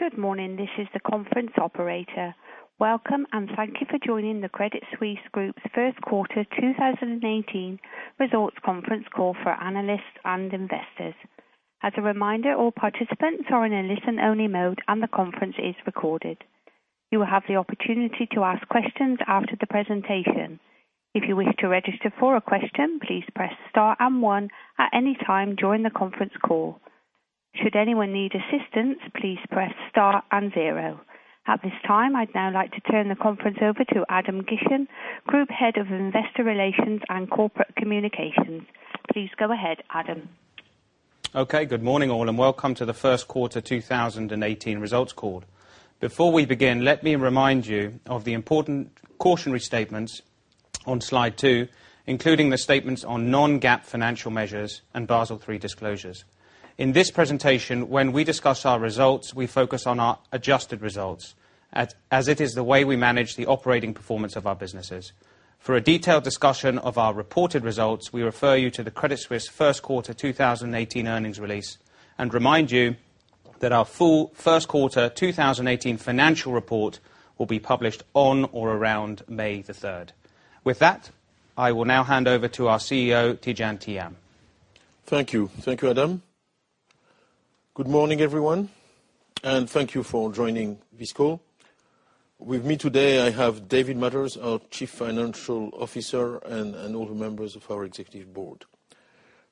Good morning. This is the conference operator. Welcome. Thank you for joining the Credit Suisse Group's first quarter 2018 results conference call for analysts and investors. As a reminder, all participants are in a listen-only mode and the conference is recorded. You will have the opportunity to ask questions after the presentation. If you wish to register for a question, please press Star and One at any time during the conference call. Should anyone need assistance, please press Star and Zero. At this time, I'd now like to turn the conference over to Adam Gishen, Group Head of Investor Relations and Corporate Communications. Please go ahead, Adam. Okay. Good morning, all. Welcome to the first quarter 2018 results call. Before we begin, let me remind you of the important cautionary statements on slide two, including the statements on non-GAAP financial measures and Basel III disclosures. In this presentation, when we discuss our results, we focus on our adjusted results, as it is the way we manage the operating performance of our businesses. For a detailed discussion of our reported results, we refer you to the Credit Suisse first quarter 2018 earnings release and remind you that our first quarter 2018 financial report will be published on or around May the 3rd. With that, I will now hand over to our CEO, Tidjane Thiam. Thank you. Thank you, Adam. Good morning, everyone. Thank you for joining this call. With me today, I have David Mathers, our Chief Financial Officer, and all the members of our executive board.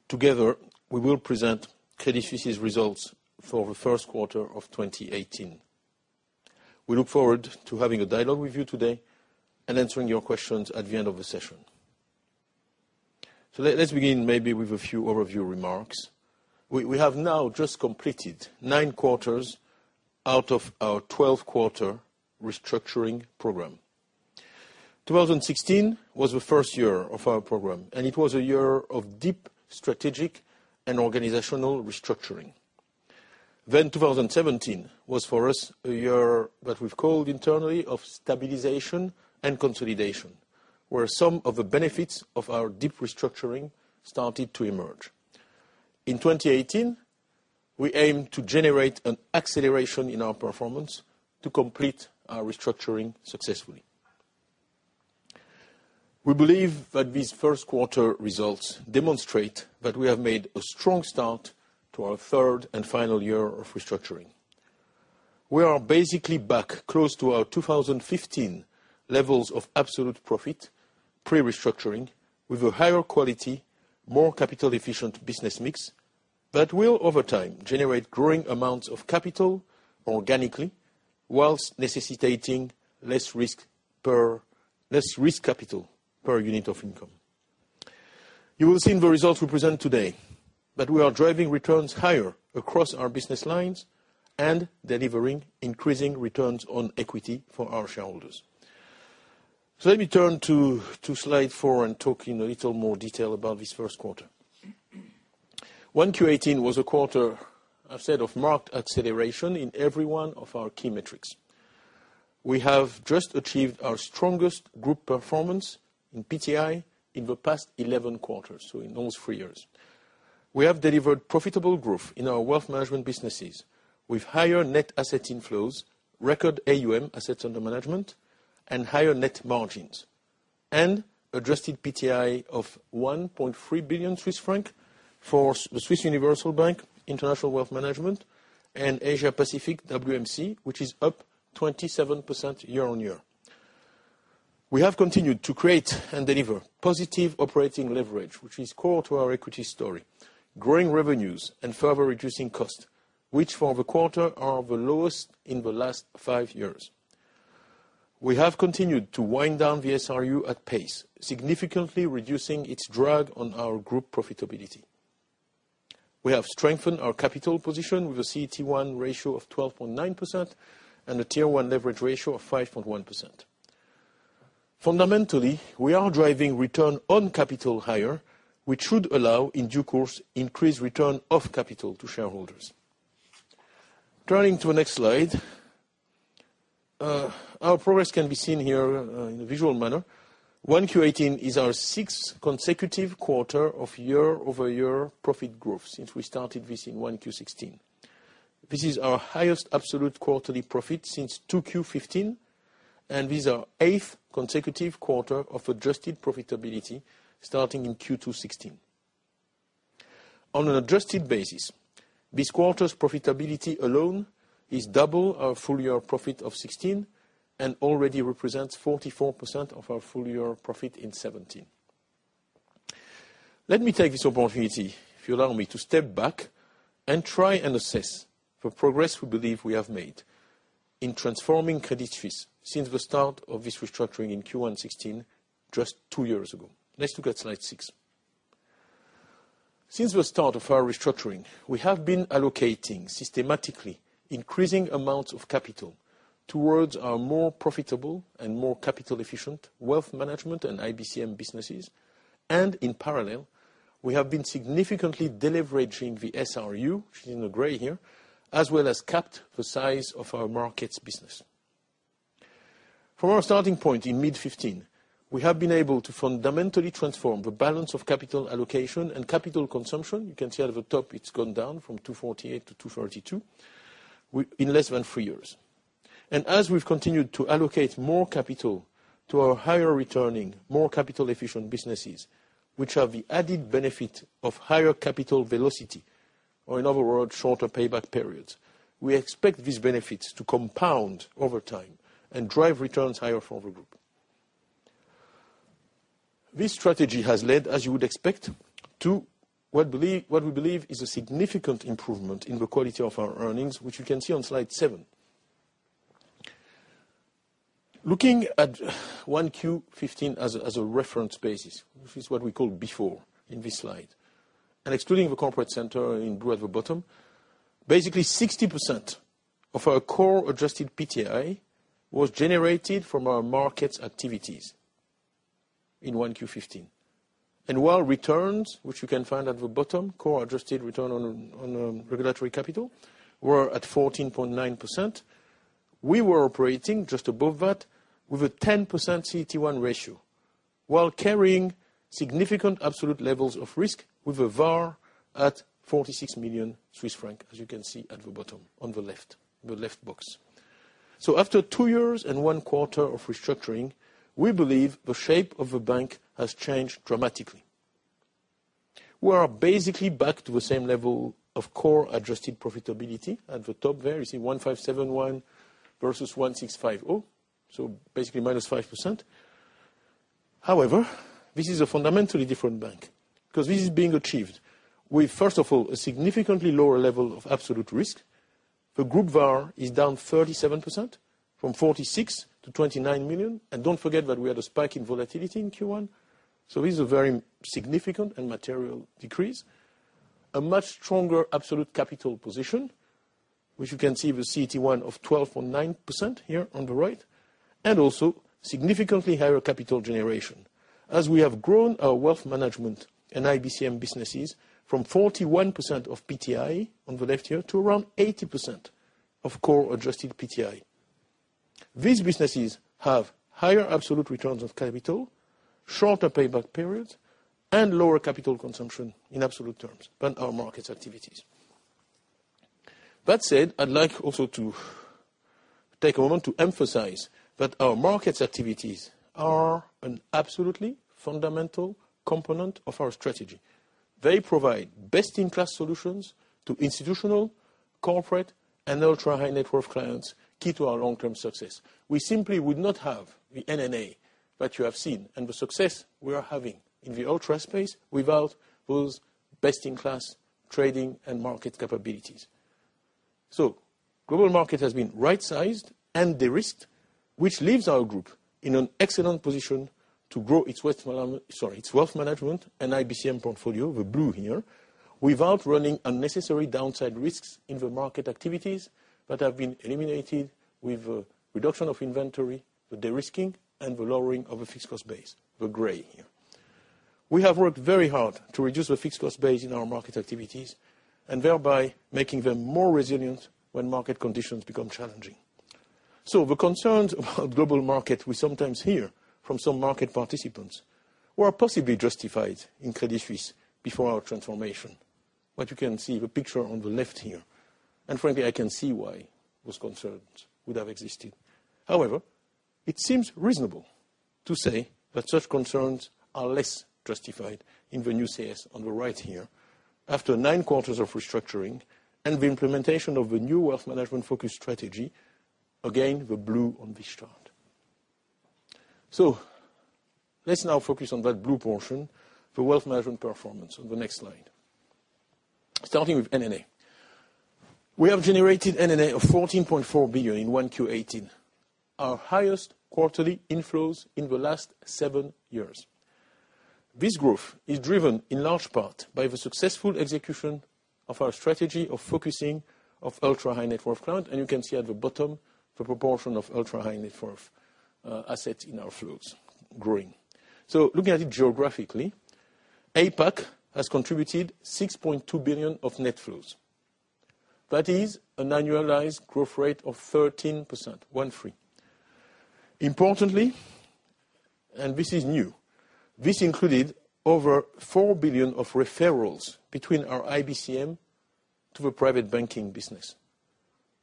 Together, we will present Credit Suisse's results for the first quarter of 2018. We look forward to having a dialogue with you today and answering your questions at the end of the session. Let's begin maybe with a few overview remarks. We have now just completed nine quarters out of our 12-quarter restructuring program. 2016 was the first year of our program. It was a year of deep strategic and organizational restructuring. 2017 was for us, a year that we've called internally, of stabilization and consolidation, where some of the benefits of our deep restructuring started to emerge. In 2018, we aim to generate an acceleration in our performance to complete our restructuring successfully. We believe that these first quarter results demonstrate that we have made a strong start to our third and final year of restructuring. We are basically back close to our 2015 levels of absolute profit pre-restructuring with a higher quality, more capital-efficient business mix that will, over time, generate growing amounts of capital organically, whilst necessitating less risk capital per unit of income. You will see in the results we present today that we are driving returns higher across our business lines and delivering increasing returns on equity for our shareholders. Let me turn to slide four and talk in a little more detail about this first quarter. 1Q18 was a quarter, I've said, of marked acceleration in every one of our key metrics. We have just achieved our strongest group performance in PTI in the past 11 quarters, so in those three years. We have delivered profitable growth in our wealth management businesses with higher net asset inflows, record AUM, assets under management, and higher net margins, and adjusted PTI of 1.3 billion Swiss francs for the Swiss Universal Bank, International Wealth Management, and Asia Pacific WMC, which is up 27% year-over-year. We have continued to create and deliver positive operating leverage, which is core to our equity story, growing revenues and further reducing cost, which for the quarter, are the lowest in the last five years. We have continued to wind down the SRU at pace, significantly reducing its drag on our group profitability. We have strengthened our capital position with a CET1 ratio of 12.9% and a Tier 1 leverage ratio of 5.1%. Fundamentally, we are driving return on capital higher, which should allow, in due course, increased return of capital to shareholders. Turning to the next slide. Our progress can be seen here in a visual manner. 1Q18 is our sixth consecutive quarter of year-over-year profit growth since we started this in 1Q16. This is our highest absolute quarterly profit since 2Q15, and this is our eighth consecutive quarter of adjusted profitability, starting in Q2 2016. On an adjusted basis, this quarter's profitability alone is double our full-year profit of 2016 and already represents 44% of our full-year profit in 2017. Let me take this opportunity, if you allow me, to step back and try and assess the progress we believe we have made in transforming Credit Suisse since the start of this restructuring in Q1 2016, just two years ago. Let's look at slide six. Since the start of our restructuring, we have been allocating systematically increasing amounts of capital towards our more profitable and more capital-efficient wealth management and IBCM businesses. In parallel, we have been significantly deleveraging the SRU, shown in the gray here, as well as capped the size of our markets business. From our starting point in mid-2015, we have been able to fundamentally transform the balance of capital allocation and capital consumption. You can see at the top, it's gone down from 248 to 232 in less than three years. As we've continued to allocate more capital to our higher returning, more capital-efficient businesses, which have the added benefit of higher capital velocity, or in other words, shorter payback periods, we expect these benefits to compound over time and drive returns higher for the group. This strategy has led, as you would expect, to what we believe is a significant improvement in the quality of our earnings, which you can see on slide seven. Looking at 1Q15 as a reference basis, which is what we call before in this slide, and excluding the corporate center in blue at the bottom, basically 60% of our core adjusted PTI was generated from our markets activities in 1Q15. While returns, which you can find at the bottom, core adjusted return on regulatory capital, were at 14.9%, we were operating just above that with a 10% CET1 ratio while carrying significant absolute levels of risk with a VaR at 46 million Swiss francs, as you can see at the bottom on the left, the left box. After two years and one quarter of restructuring, we believe the shape of the bank has changed dramatically. We are basically back to the same level of core-adjusted profitability. At the top there, you see 1,571 versus 1,650, so basically minus 5%. This is a fundamentally different bank, because this is being achieved with, first of all, a significantly lower level of absolute risk. The group VaR is down 37%, from 46 million to 29 million. Don't forget that we had a spike in volatility in Q1, so this is a very significant and material decrease. A much stronger absolute capital position, which you can see the CET1 of 12.9% here on the right, and also significantly higher capital generation, as we have grown our wealth management and IBCM businesses from 41% of PTI on the left here to around 80% of core-adjusted PTI. These businesses have higher absolute returns on capital, shorter payback periods, and lower capital consumption in absolute terms than our markets activities. That said, I'd like also to take a moment to emphasize that our markets activities are an absolutely fundamental component of our strategy. They provide best-in-class solutions to institutional, corporate, and ultra-high-net-worth clients, key to our long-term success. We simply would not have the NNA that you have seen and the success we are having in the ultra space without those best-in-class trading and market capabilities. Global Market has been right-sized and de-risked, which leaves our group in an excellent position to grow its wealth management and IBCM portfolio, the blue here, without running unnecessary downside risks in the market activities that have been eliminated with reduction of inventory, the de-risking, and the lowering of the fixed cost base, the gray here. We have worked very hard to reduce the fixed cost base in our market activities, and thereby making them more resilient when market conditions become challenging. The concerns about Global Market we sometimes hear from some market participants were possibly justified in Credit Suisse before our transformation. What you can see, the picture on the left here, and frankly, I can see why those concerns would have existed. It seems reasonable to say that such concerns are less justified in the new CS on the right here after nine quarters of restructuring and the implementation of the new wealth management-focused strategy, again, the blue on this chart. Let's now focus on that blue portion, the wealth management performance on the next slide. Starting with NNA. We have generated NNA of 14.4 billion in 1Q18, our highest quarterly inflows in the last seven years. This growth is driven in large part by the successful execution of our strategy of focusing of ultra-high-net-worth client, and you can see at the bottom the proportion of ultra-high-net-worth assets in our flows growing. Looking at it geographically, APAC has contributed 6.2 billion of net flows. That is an annualized growth rate of 13%, one three. Importantly, and this is new, this included over 4 billion of referrals between our IBCM to the private banking business.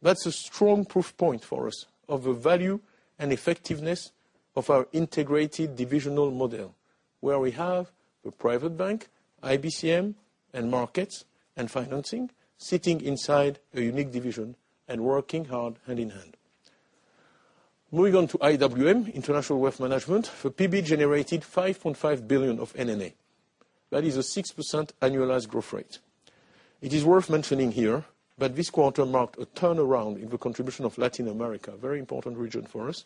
That's a strong proof point for us of the value and effectiveness of our integrated divisional model, where we have the private bank, IBCM, and markets and financing sitting inside a unique division and working hard hand-in-hand. Moving on to IWM, International Wealth Management, for PB generated 5.5 billion of NNA. That is a 6% annualized growth rate. It is worth mentioning here that this quarter marked a turnaround in the contribution of Latin America, very important region for us,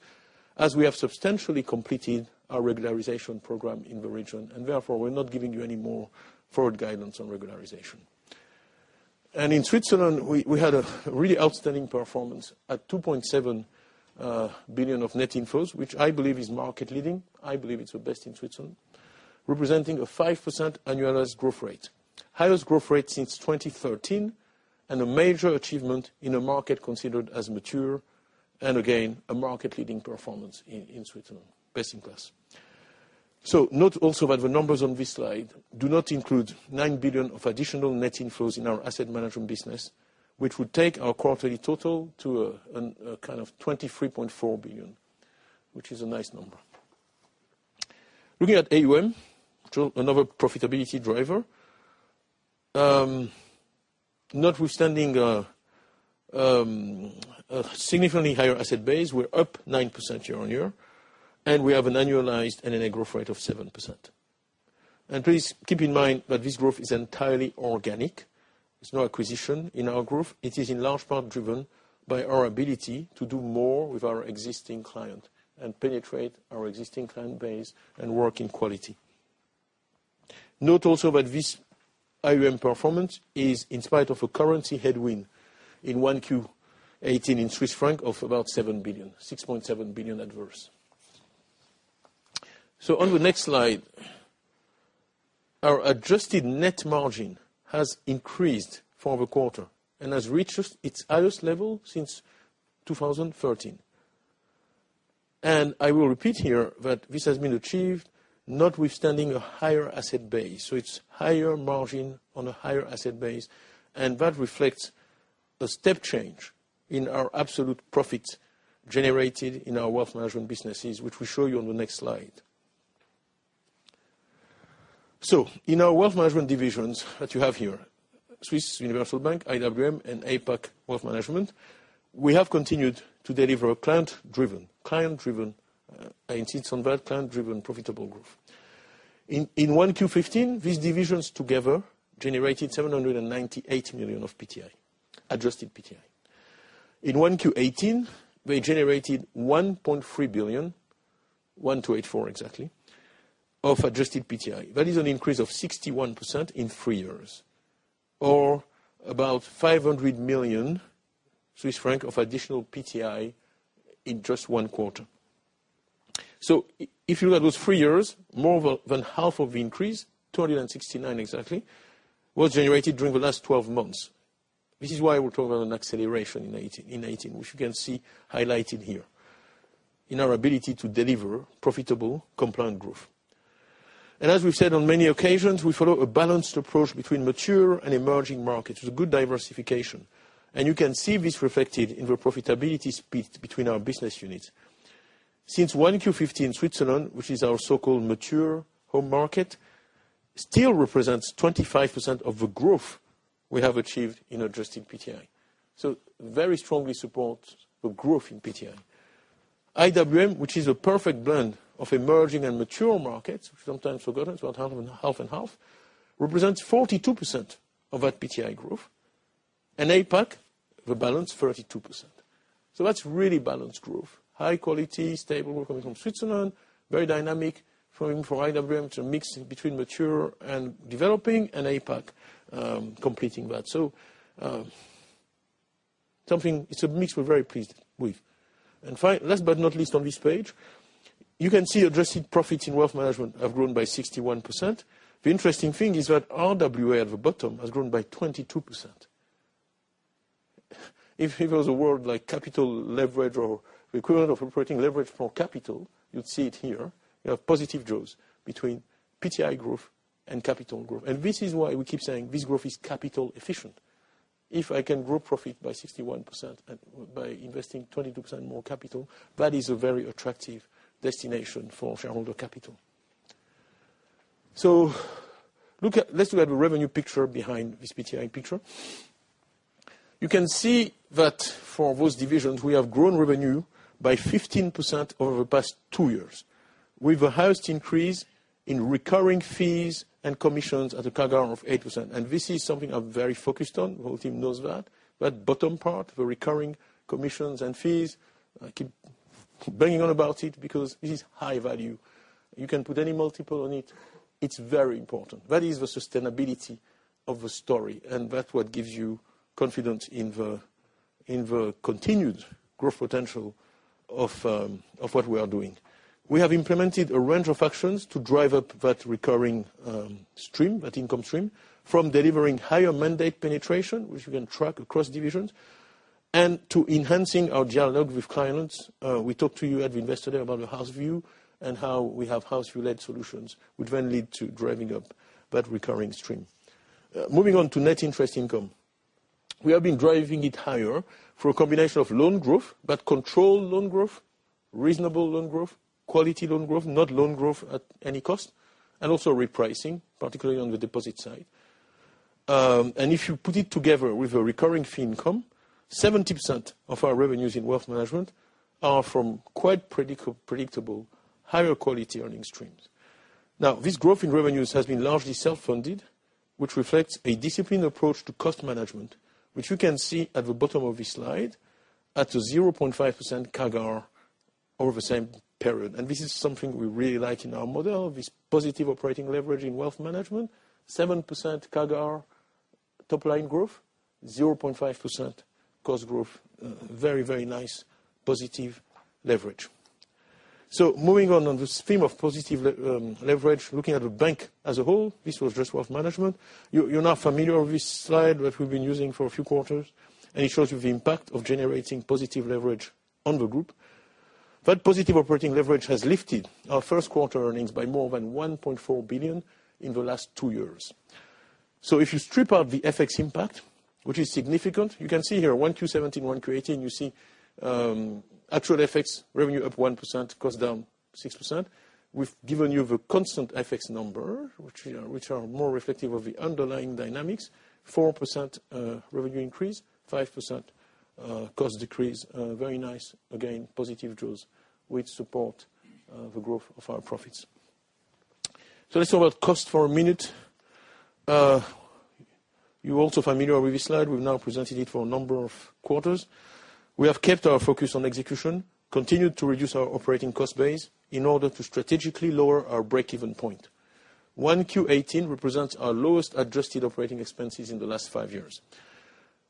as we have substantially completed our regularization program in the region. Therefore, we're not giving you any more forward guidance on regularization. In Switzerland, we had a really outstanding performance at 2.7 billion of net inflows, which I believe is market-leading. I believe it's the best in Switzerland, representing a 5% annualized growth rate. Highest growth rate since 2013. A major achievement in a market considered as mature, and again, a market-leading performance in Switzerland. Best-in-class. Note also that the numbers on this slide do not include 9 billion of additional net inflows in our asset management business, which would take our quarterly total to kind of 23.4 billion, which is a nice number. Looking at AUM, another profitability driver. Notwithstanding a significantly higher asset base, we're up 9% year-on-year. We have an annualized NNA growth rate of 7%. Please keep in mind that this growth is entirely organic. There's no acquisition in our growth. It is in large part driven by our ability to do more with our existing client and penetrate our existing client base and work in quality. Note also that this AUM performance is in spite of a currency headwind in 1Q18 in Swiss franc of about 7 billion, 6.7 billion adverse. On the next slide, our adjusted net margin has increased for the quarter and has reached its highest level since 2013. I will repeat here that this has been achieved notwithstanding a higher asset base. It's higher margin on a higher asset base, and that reflects the step change in our absolute profit generated in our wealth management businesses, which we show you on the next slide. In our wealth management divisions that you have here, Swiss Universal Bank, IWM, and APAC Wealth Management, we have continued to deliver client-driven, I insist on that, client-driven profitable growth. In 1Q15, these divisions together generated 798 million of PTI, adjusted PTI. In 1Q18, we generated 1.3 billion, 1.284 billion exactly, of adjusted PTI. That is an increase of 61% in three years, or about 500 million Swiss franc of additional PTI in just one quarter. If you look at those three years, more than half of the increase, 269 million exactly, was generated during the last 12 months. This is why we talk about an acceleration in 2018, which you can see highlighted here in our ability to deliver profitable compliant growth. As we've said on many occasions, we follow a balanced approach between mature and emerging markets with good diversification. You can see this reflected in the profitability split between our business units. Since 1Q15, Switzerland, which is our so-called mature home market, still represents 25% of the growth we have achieved in adjusted PTI. Very strongly support the growth in PTI. IWM, which is a perfect blend of emerging and mature markets, which sometimes forgotten, it's about half and half, represents 42% of that PTI growth. APAC, the balance 32%. That's really balanced growth. High quality, stable coming from Switzerland, very dynamic from IWM to mix between mature and developing, and APAC completing that. It's a mix we're very pleased with. Last but not least on this page, you can see adjusted profits in wealth management have grown by 61%. The interesting thing is that RWA at the bottom has grown by 22%. If it was a word like capital leverage or equivalent of operating leverage for capital, you'd see it here. You have positive jaws between PTI growth and capital growth. This is why we keep saying this growth is capital efficient. If I can grow profit by 61% and by investing 22% more capital, that is a very attractive destination for shareholder capital. Let's look at the revenue picture behind this PTI picture. You can see that for those divisions, we have grown revenue by 15% over the past two years with the highest increase in recurring fees and commissions at a CAGR of 8%. This is something I'm very focused on, the whole team knows that. Bottom part, the recurring commissions and fees, I keep banging on about it because it is high value. You can put any multiple on it. It's very important. That is the sustainability of the story, and that what gives you confidence in the continued growth potential of what we are doing. We have implemented a range of actions to drive up that recurring stream, that income stream, from delivering higher mandate penetration, which we can track across divisions, and to enhancing our dialogue with clients. We talked to you at Investor Day about the house view and how we have house view-led solutions, which then lead to driving up that recurring stream. Moving on to net interest income. We have been driving it higher through a combination of loan growth, but controlled loan growth, reasonable loan growth, quality loan growth, not loan growth at any cost, and also repricing, particularly on the deposit side. If you put it together with the recurring fee income, 70% of our revenues in wealth management are from quite predictable, higher quality earning streams. This growth in revenues has been largely self-funded, which reflects a disciplined approach to cost management, which you can see at the bottom of this slide, at a 0.5% CAGR over the same period. This is something we really like in our model, this positive operating leverage in wealth management. 7% CAGR top line growth, 0.5% cost growth. Very nice positive leverage, moving on this theme of positive leverage, looking at the bank as a whole, this was just wealth management. You're now familiar with this slide, that we've been using for a few quarters. It shows you the impact of generating positive leverage on the group. That positive operating leverage has lifted our first quarter earnings by more than 1.4 billion in the last two years. If you strip out the FX impact, which is significant, you can see here 1Q17, 1Q18, you see actual FX revenue up 1%, cost down 6%. We've given you the constant FX number, which are more reflective of the underlying dynamics, 4% revenue increase, 5% cost decrease. Very nice. Again, positive jaws, which support the growth of our profits. Let's talk about cost for a minute. You're also familiar with this slide. We've now presented it for a number of quarters. We have kept our focus on execution, continued to reduce our operating cost base in order to strategically lower our break-even point. 1Q18 represents our lowest adjusted operating expenses in the last five years.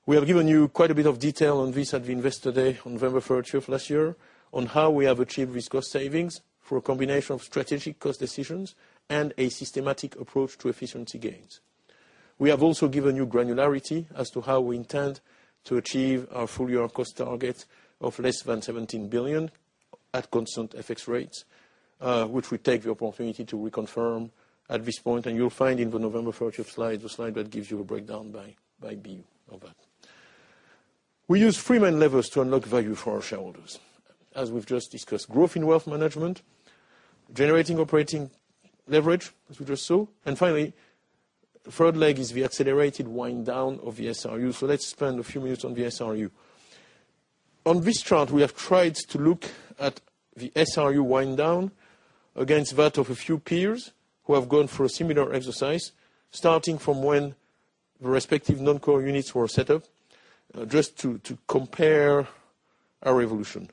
We have given you quite a bit of detail on this at the Investor Day on November 30th of last year, on how we have achieved these cost savings through a combination of strategic cost decisions and a systematic approach to efficiency gains. We have also given you granularity as to how we intend to achieve our full-year cost target of less than 17 billion at constant FX rates, which we take the opportunity to reconfirm at this point, and you'll find in the November 30th slide, the slide that gives you a breakdown by BU of that. We use three main levers to unlock value for our shareholders. As we've just discussed, growth in wealth management, generating operating leverage, as we just saw, and finally, the third leg is the accelerated wind down of the SRU. Let's spend a few minutes on the SRU. On this chart, we have tried to look at the SRU wind down against that of a few peers who have gone through a similar exercise, starting from when the respective non-core units were set up, just to compare our evolution.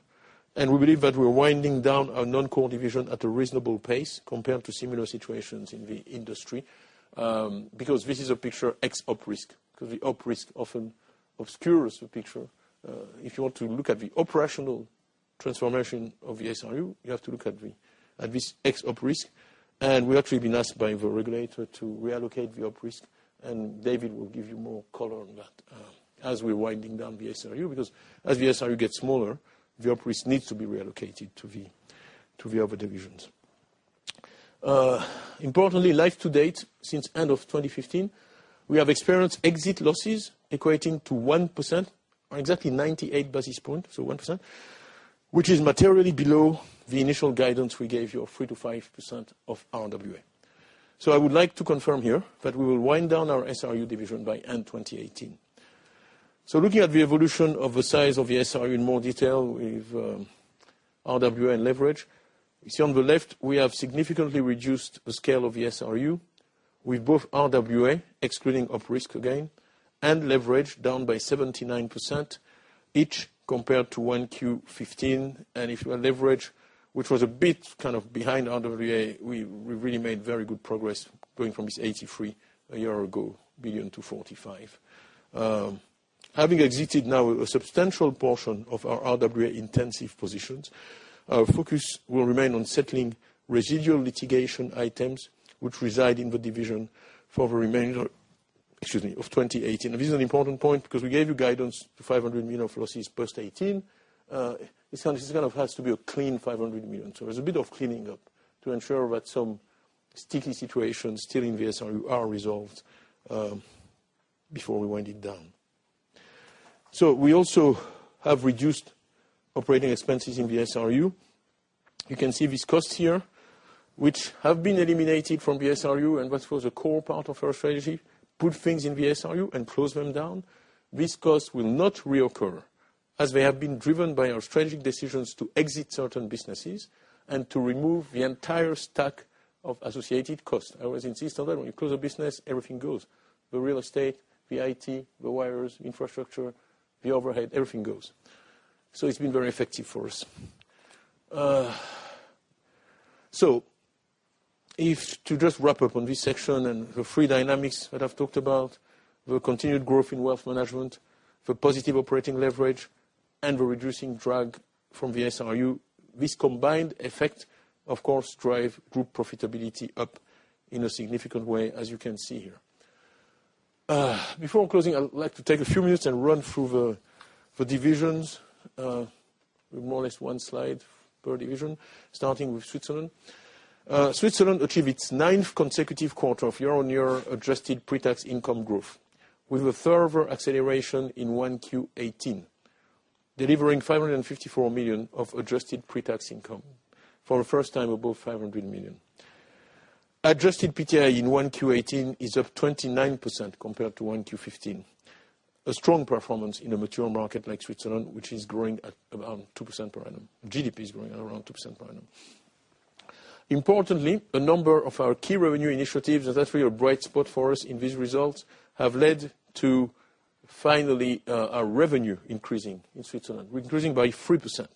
We believe that we're winding down our non-core division at a reasonable pace compared to similar situations in the industry, because this is a picture ex op risk, because the op risk often obscures the picture. If you want to look at the operational transformation of the SRU, you have to look at this ex op risk, and we've actually been asked by the regulator to reallocate the op risk, and David will give you more color on that as we're winding down the SRU, because as the SRU gets smaller, the op risk needs to be reallocated to the other divisions. Importantly, life to date, since end of 2015, we have experienced exit losses equating to 1%, or exactly 98 basis points, so 1%, which is materially below the initial guidance we gave you of 3%-5% of RWA. I would like to confirm here that we will wind down our SRU division by end 2018. Looking at the evolution of the size of the SRU in more detail, with RWA and leverage. You see on the left, we have significantly reduced the scale of the SRU with both RWA, excluding op risk again, and leverage down by 79%, each compared to 1Q15. If you are leverage, which was a bit behind RWA, we really made very good progress going from this 83 billion a year ago to 45 billion. Having exited now a substantial portion of our RWA-intensive positions, our focus will remain on settling residual litigation items which reside in the division for the remainder, excuse me, of 2018. This is an important point because we gave you guidance to 500 million of losses post 2018. This kind of has to be a clean 500 million. There's a bit of cleaning up to ensure that some sticky situations still in the SRU are resolved before we wind it down. We also have reduced operating expenses in the SRU. You can see these costs here, which have been eliminated from the SRU and that was a core part of our strategy, put things in the SRU and close them down. These costs will not reoccur, as they have been driven by our strategic decisions to exit certain businesses and to remove the entire stack of associated costs. I always insist on that, when you close a business, everything goes. The real estate, the IT, the wires, infrastructure, the overhead, everything goes. It's been very effective for us. To just wrap up on this section and the three dynamics that I've talked about, the continued growth in wealth management, the positive operating leverage, and the reducing drag from the SRU. This combined effect, of course, drive group profitability up in a significant way, as you can see here. Before closing, I would like to take a few minutes and run through the divisions, with more or less one slide per division, starting with Switzerland. Switzerland achieved its ninth consecutive quarter of year-on-year adjusted pretax income growth, with a further acceleration in 1Q18, delivering 554 million of adjusted pretax income. For the first time above 500 million. Adjusted PTI in 1Q18 is up 29% compared to 1Q15. A strong performance in a mature market like Switzerland, which is growing at around 2% per annum. GDP is growing at around 2% per annum. Importantly, a number of our key revenue initiatives, and that's really a bright spot for us in these results, have led to finally, our revenue increasing in Switzerland. We're increasing by 3%.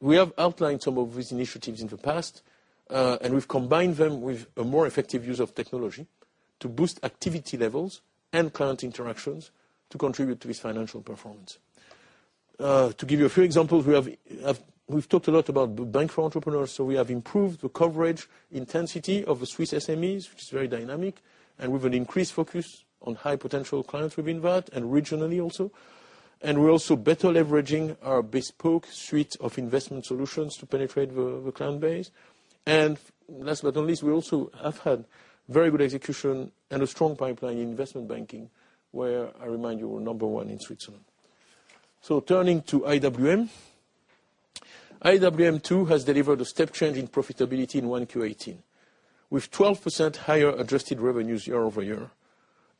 We have outlined some of these initiatives in the past, and we've combined them with a more effective use of technology To boost activity levels and client interactions to contribute to this financial performance. To give you a few examples, we've talked a lot about Bank for Entrepreneurs, so we have improved the coverage intensity of the Swiss SMEs, which is very dynamic, and with an increased focus on high potential clients within that, and regionally also. We're also better leveraging our bespoke suite of investment solutions to penetrate the client base. Last but not least, we also have had very good execution and a strong pipeline in investment banking, where I remind you, we're number one in Switzerland. Turning to IWM. IWM, too, has delivered a step change in profitability in 1Q18, with 12% higher adjusted revenues year-over-year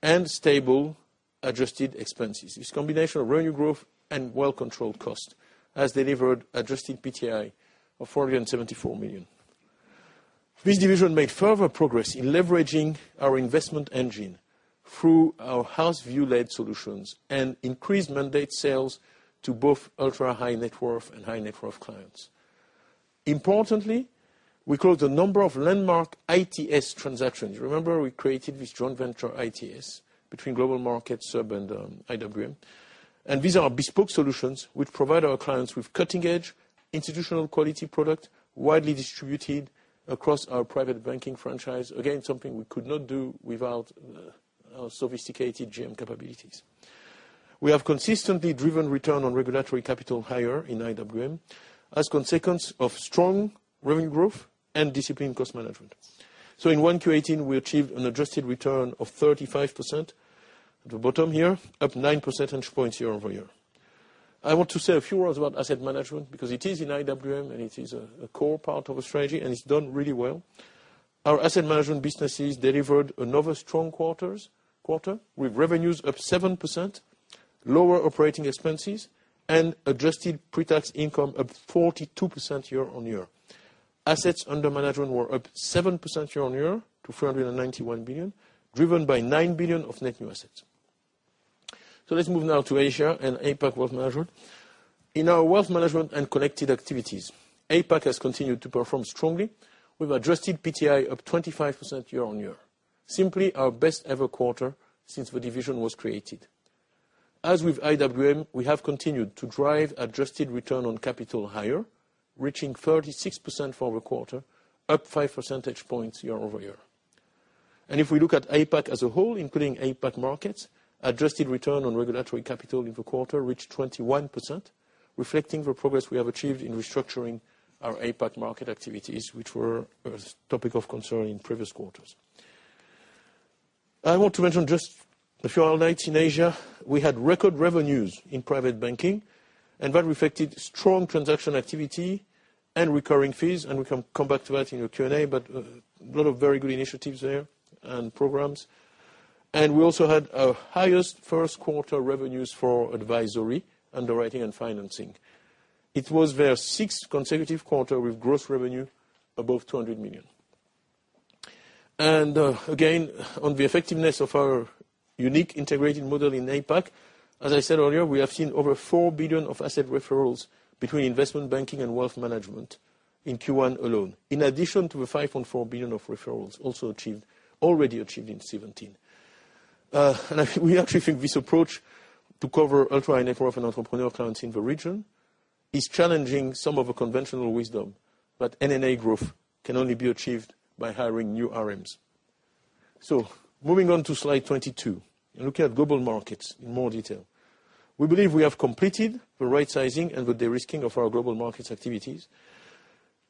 and stable adjusted expenses. This combination of revenue growth and well-controlled cost has delivered adjusted PTI of 474 million. This division made further progress in leveraging our investment engine through our house view-led solutions and increased mandate sales to both ultra-high-net-worth and high-net-worth clients. Importantly, we closed a number of landmark ITS transactions. Remember we created this joint venture, ITS, between Global Markets, SUB and IWM. These are our bespoke solutions, which provide our clients with cutting-edge institutional quality product, widely distributed across our private banking franchise. Again, something we could not do without our sophisticated GM capabilities. We have consistently driven return on regulatory capital higher in IWM as consequence of strong revenue growth and disciplined cost management. In 1Q18, we achieved an adjusted return of 35%, at the bottom here, up 9 percentage points year-over-year. I want to say a few words about asset management, because it is in IWM, and it is a core part of our strategy, it's done really well. Our asset management businesses delivered another strong quarter, with revenues up 7%, lower operating expenses, and adjusted PTI up 42% year-on-year. Assets under management were up 7% year-on-year to 391 billion, driven by 9 billion of net new assets. Let's move now to Asia and APAC Wealth Management. In our wealth management and connected activities, APAC has continued to perform strongly with adjusted PTI up 25% year-on-year. Simply our best ever quarter since the division was created. As with IWM, we have continued to drive adjusted return on capital higher, reaching 36% for the quarter, up 5 percentage points year-over-year. If we look at APAC as a whole, including APAC markets, adjusted return on regulatory capital in the quarter reached 21%, reflecting the progress we have achieved in restructuring our APAC market activities, which were a topic of concern in previous quarters. I want to mention just a few highlights in Asia. We had record revenues in private banking, that reflected strong transaction activity and recurring fees, we can come back to that in the Q&A, a lot of very good initiatives there and programs. We also had our highest first quarter revenues for advisory, underwriting, and financing. It was their sixth consecutive quarter with gross revenue above 200 million. Again, on the effectiveness of our unique integrated model in APAC, as I said earlier, we have seen over 4 billion of asset referrals between investment banking and wealth management in Q1 alone, in addition to the 5.4 billion of referrals also already achieved in 2017. We actually think this approach to cover ultra-high-net-worth and entrepreneur clients in the region is challenging some of the conventional wisdom that NNA growth can only be achieved by hiring new RMs. Moving on to slide 22, and looking at Global Markets in more detail. We believe we have completed the right sizing and the de-risking of our Global Markets activities.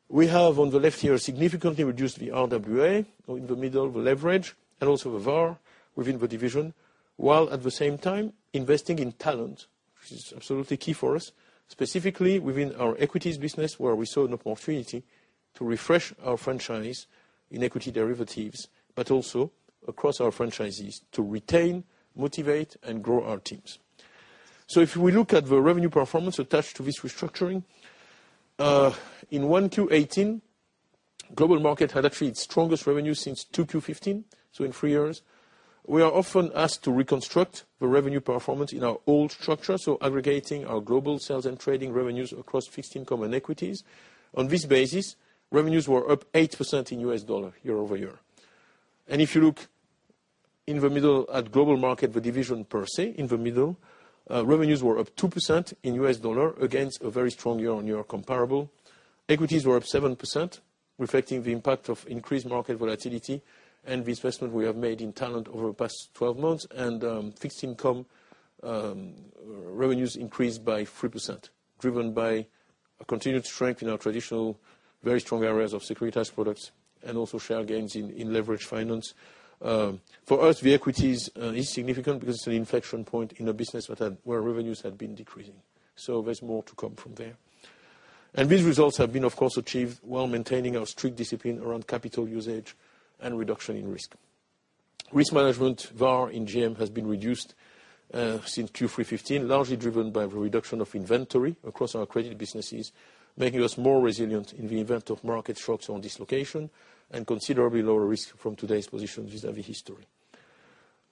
We have, on the left here, significantly reduced the RWA, in the middle, the leverage, and also the VaR within the division. While at the same time investing in talent, which is absolutely key for us, specifically within our equities business, where we saw an opportunity to refresh our franchise in equity derivatives, also across our franchises to retain, motivate, and grow our teams. If we look at the revenue performance attached to this restructuring, in 1Q 2018, Global Markets had actually its strongest revenue since 2Q 2015, in three years. We are often asked to reconstruct the revenue performance in our old structure, aggregating our global sales and trading revenues across fixed income and equities. On this basis, revenues were up 8% in U.S. dollar year-over-year. If you look in the middle at Global Markets, the division per se, in the middle, revenues were up 2% in U.S. dollar against a very strong year-on-year comparable. Equities were up 7%, reflecting the impact of increased market volatility and the investment we have made in talent over the past 12 months. Fixed income revenues increased by 3%, driven by a continued strength in our traditional very strong areas of securitized products and also share gains in leveraged finance. For us, the equities is significant because it's an inflection point in a business where revenues had been decreasing. There's more to come from there. These results have been, of course, achieved while maintaining our strict discipline around capital usage and reduction in risk. Risk management VaR in GM has been reduced since Q3 2015, largely driven by the reduction of inventory across our credit businesses, making us more resilient in the event of market shocks or dislocation, and considerably lower risk from today's position vis-à-vis history.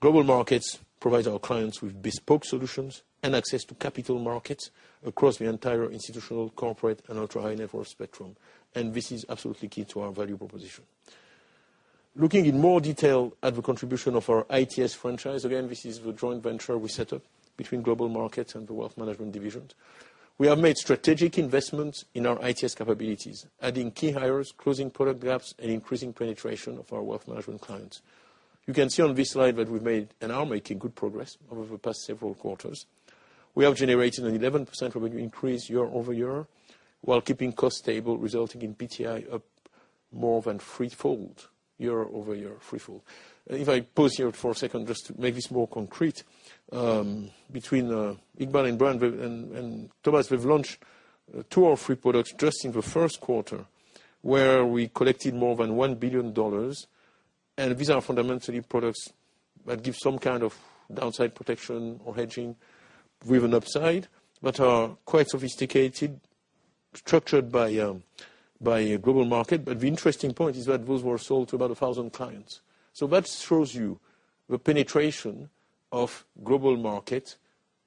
Global Markets provides our clients with bespoke solutions and access to capital markets across the entire institutional, corporate, and ultra-high-net-worth spectrum. This is absolutely key to our value proposition. Looking in more detail at the contribution of our ITS franchise, again, this is the joint venture we set up between Global Markets and the Wealth Management division. We have made strategic investments in our ITS capabilities, adding key hires, closing product gaps, and increasing penetration of our Wealth Management clients. You can see on this slide that we've made, and are making, good progress over the past several quarters. We have generated an 11% revenue increase year-over-year, while keeping costs stable, resulting in PTI up more than threefold year-over-year. If I pause here for a second just to make this more concrete, between Iqbal and Brian and Thomas, we've launched two or three products just in the first quarter, where we collected more than CHF 1 billion. These are fundamentally products that give some kind of downside protection or hedging with an upside, but are quite sophisticated, structured by Global Markets. The interesting point is that those were sold to about 1,000 clients. That shows you the penetration of Global Markets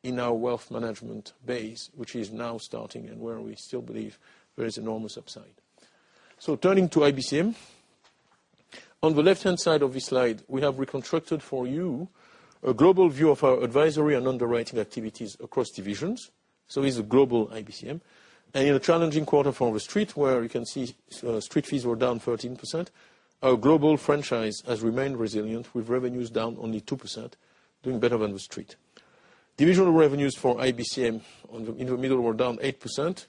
in our Wealth Management base, which is now starting and where we still believe there is enormous upside. Turning to IBCM. On the left-hand side of this slide, we have reconstructed for you a global view of our advisory and underwriting activities across divisions, so it's a global IBCM. In a challenging quarter for the Street, where you can see Street fees were down 13%, our global franchise has remained resilient with revenues down only 2%, doing better than the Street. Divisional revenues for IBCM in the middle were down 8%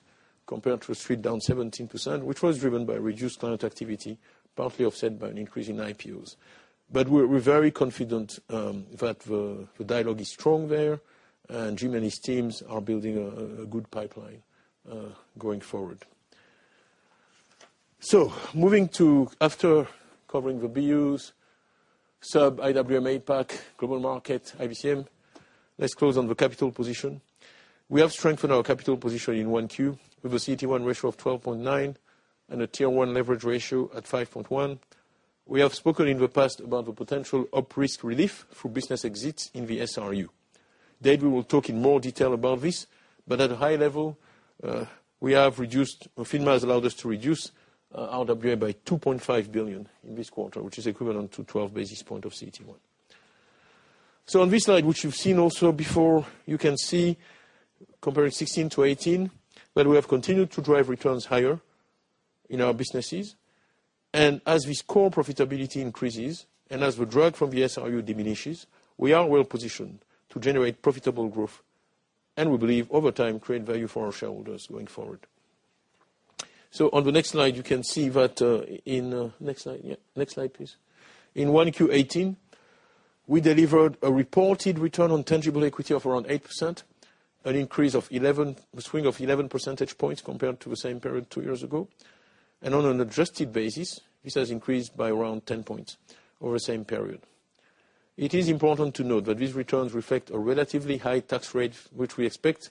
compared to the Street down 17%, which was driven by reduced client activity, partly offset by an increase in IPOs. We're very confident that the dialogue is strong there, and Jim and his teams are building a good pipeline going forward. Moving to, after covering the BUs, SUB, IWM, APAC, Global Markets, IBCM, let's close on the capital position. We have strengthened our capital position in 1Q with a CET1 ratio of 12.9% and a Tier 1 leverage ratio at 5.1%. We have spoken in the past about the potential up-risk relief for business exits in the SRU. David will talk in more detail about this, but at a high level, FINMA has allowed us to reduce RWA by 2.5 billion in this quarter, which is equivalent to 12 basis points of CET1. On this slide, which you've seen also before, you can see comparing 2016 to 2018, that we have continued to drive returns higher in our businesses. As this core profitability increases, and as the drag from the SRU diminishes, we are well positioned to generate profitable growth, and we believe over time, create value for our shareholders going forward. On the next slide, you can see that in Next slide. Yeah. Next slide, please. In 1Q 2018, we delivered a reported return on tangible equity of around 8%, a swing of 11 percentage points compared to the same period two years ago. On an adjusted basis, this has increased by around 10 points over the same period. It is important to note that these returns reflect a relatively high tax rate, which we expect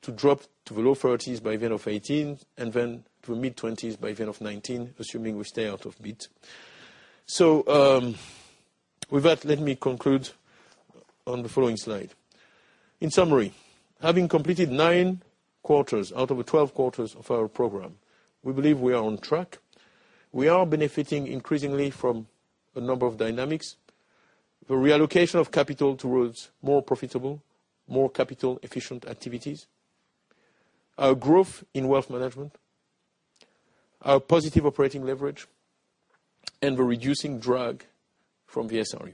to drop to the low 30s by the end of 2018, and then to mid-20s by the end of 2019, assuming we stay out of BEAT. With that, let me conclude on the following slide. In summary, having completed nine quarters out of the 12 quarters of our program, we believe we are on track. We are benefiting increasingly from a number of dynamics, the reallocation of capital towards more profitable, more capital-efficient activities, our growth in wealth management, our positive operating leverage, and the reducing drag from the SRU.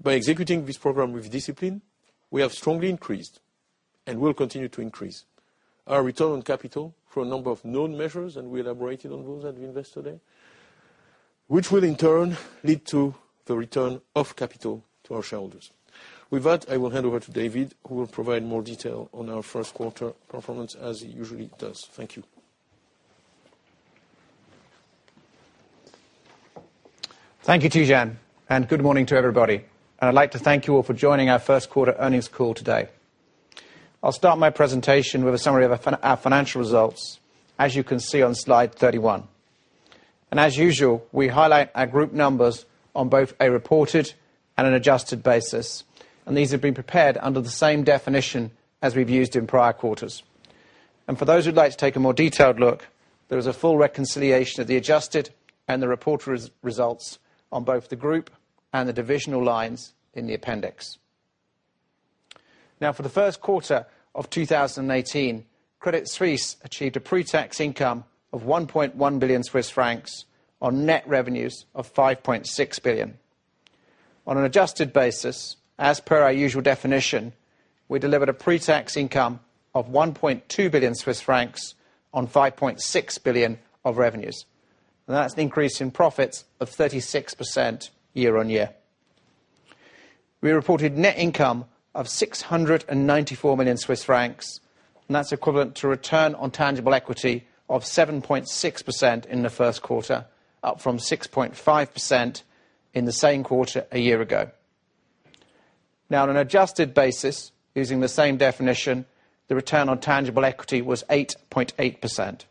By executing this program with discipline, we have strongly increased and will continue to increase our return on capital for a number of known measures, and we elaborated on those as we invest today, which will in turn lead to the return of capital to our shareholders. With that, I will hand over to David, who will provide more detail on our first quarter performance as he usually does. Thank you. Thank you, Tidjane, and good morning to everybody. I'd like to thank you all for joining our first quarter earnings call today. I'll start my presentation with a summary of our financial results, as you can see on slide 31. As usual, we highlight our group numbers on both a reported and an adjusted basis, and these have been prepared under the same definition as we've used in prior quarters. For those who'd like to take a more detailed look, there is a full reconciliation of the adjusted and the reported results on both the group and the divisional lines in the appendix. Now, for the first quarter of 2018, Credit Suisse achieved a pre-tax income of 1.1 billion Swiss francs on net revenues of 5.6 billion. On an adjusted basis, as per our usual definition, we delivered a pre-tax income of 1.2 billion Swiss francs on 5.6 billion of revenues. That's an increase in profits of 36% year-on-year. We reported net income of 694 million Swiss francs, and that's equivalent to a return on tangible equity of 7.6% in the first quarter, up from 6.5% in the same quarter a year ago. On an adjusted basis, using the same definition, the return on tangible equity was 8.8%.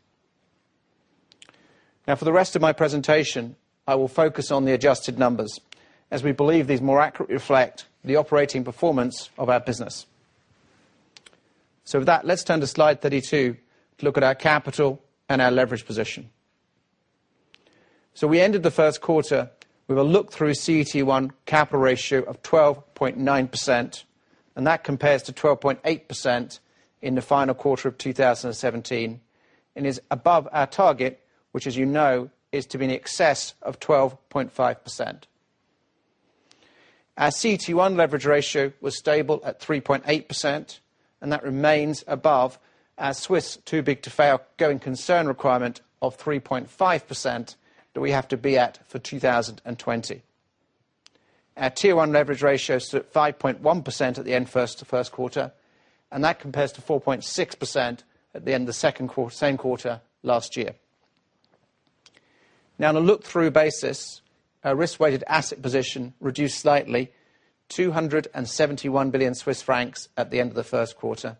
For the rest of my presentation, I will focus on the adjusted numbers, as we believe these more accurately reflect the operating performance of our business. With that, let's turn to slide 32 to look at our capital and our leverage position. We ended the first quarter with a look-through CET1 capital ratio of 12.9%. That compares to 12.8% in the final quarter of 2017, and is above our target, which as you know, is to be in excess of 12.5%. Our CET1 leverage ratio was stable at 3.8%. That remains above our Swiss too big to fail going concern requirement of 3.5% that we have to be at for 2020. Our Tier 1 leverage ratio is at 5.1% at the end of the first quarter. That compares to 4.6% at the end of the same quarter last year. On a look-through basis, our risk-weighted asset position reduced slightly, 271 billion Swiss francs at the end of the first quarter.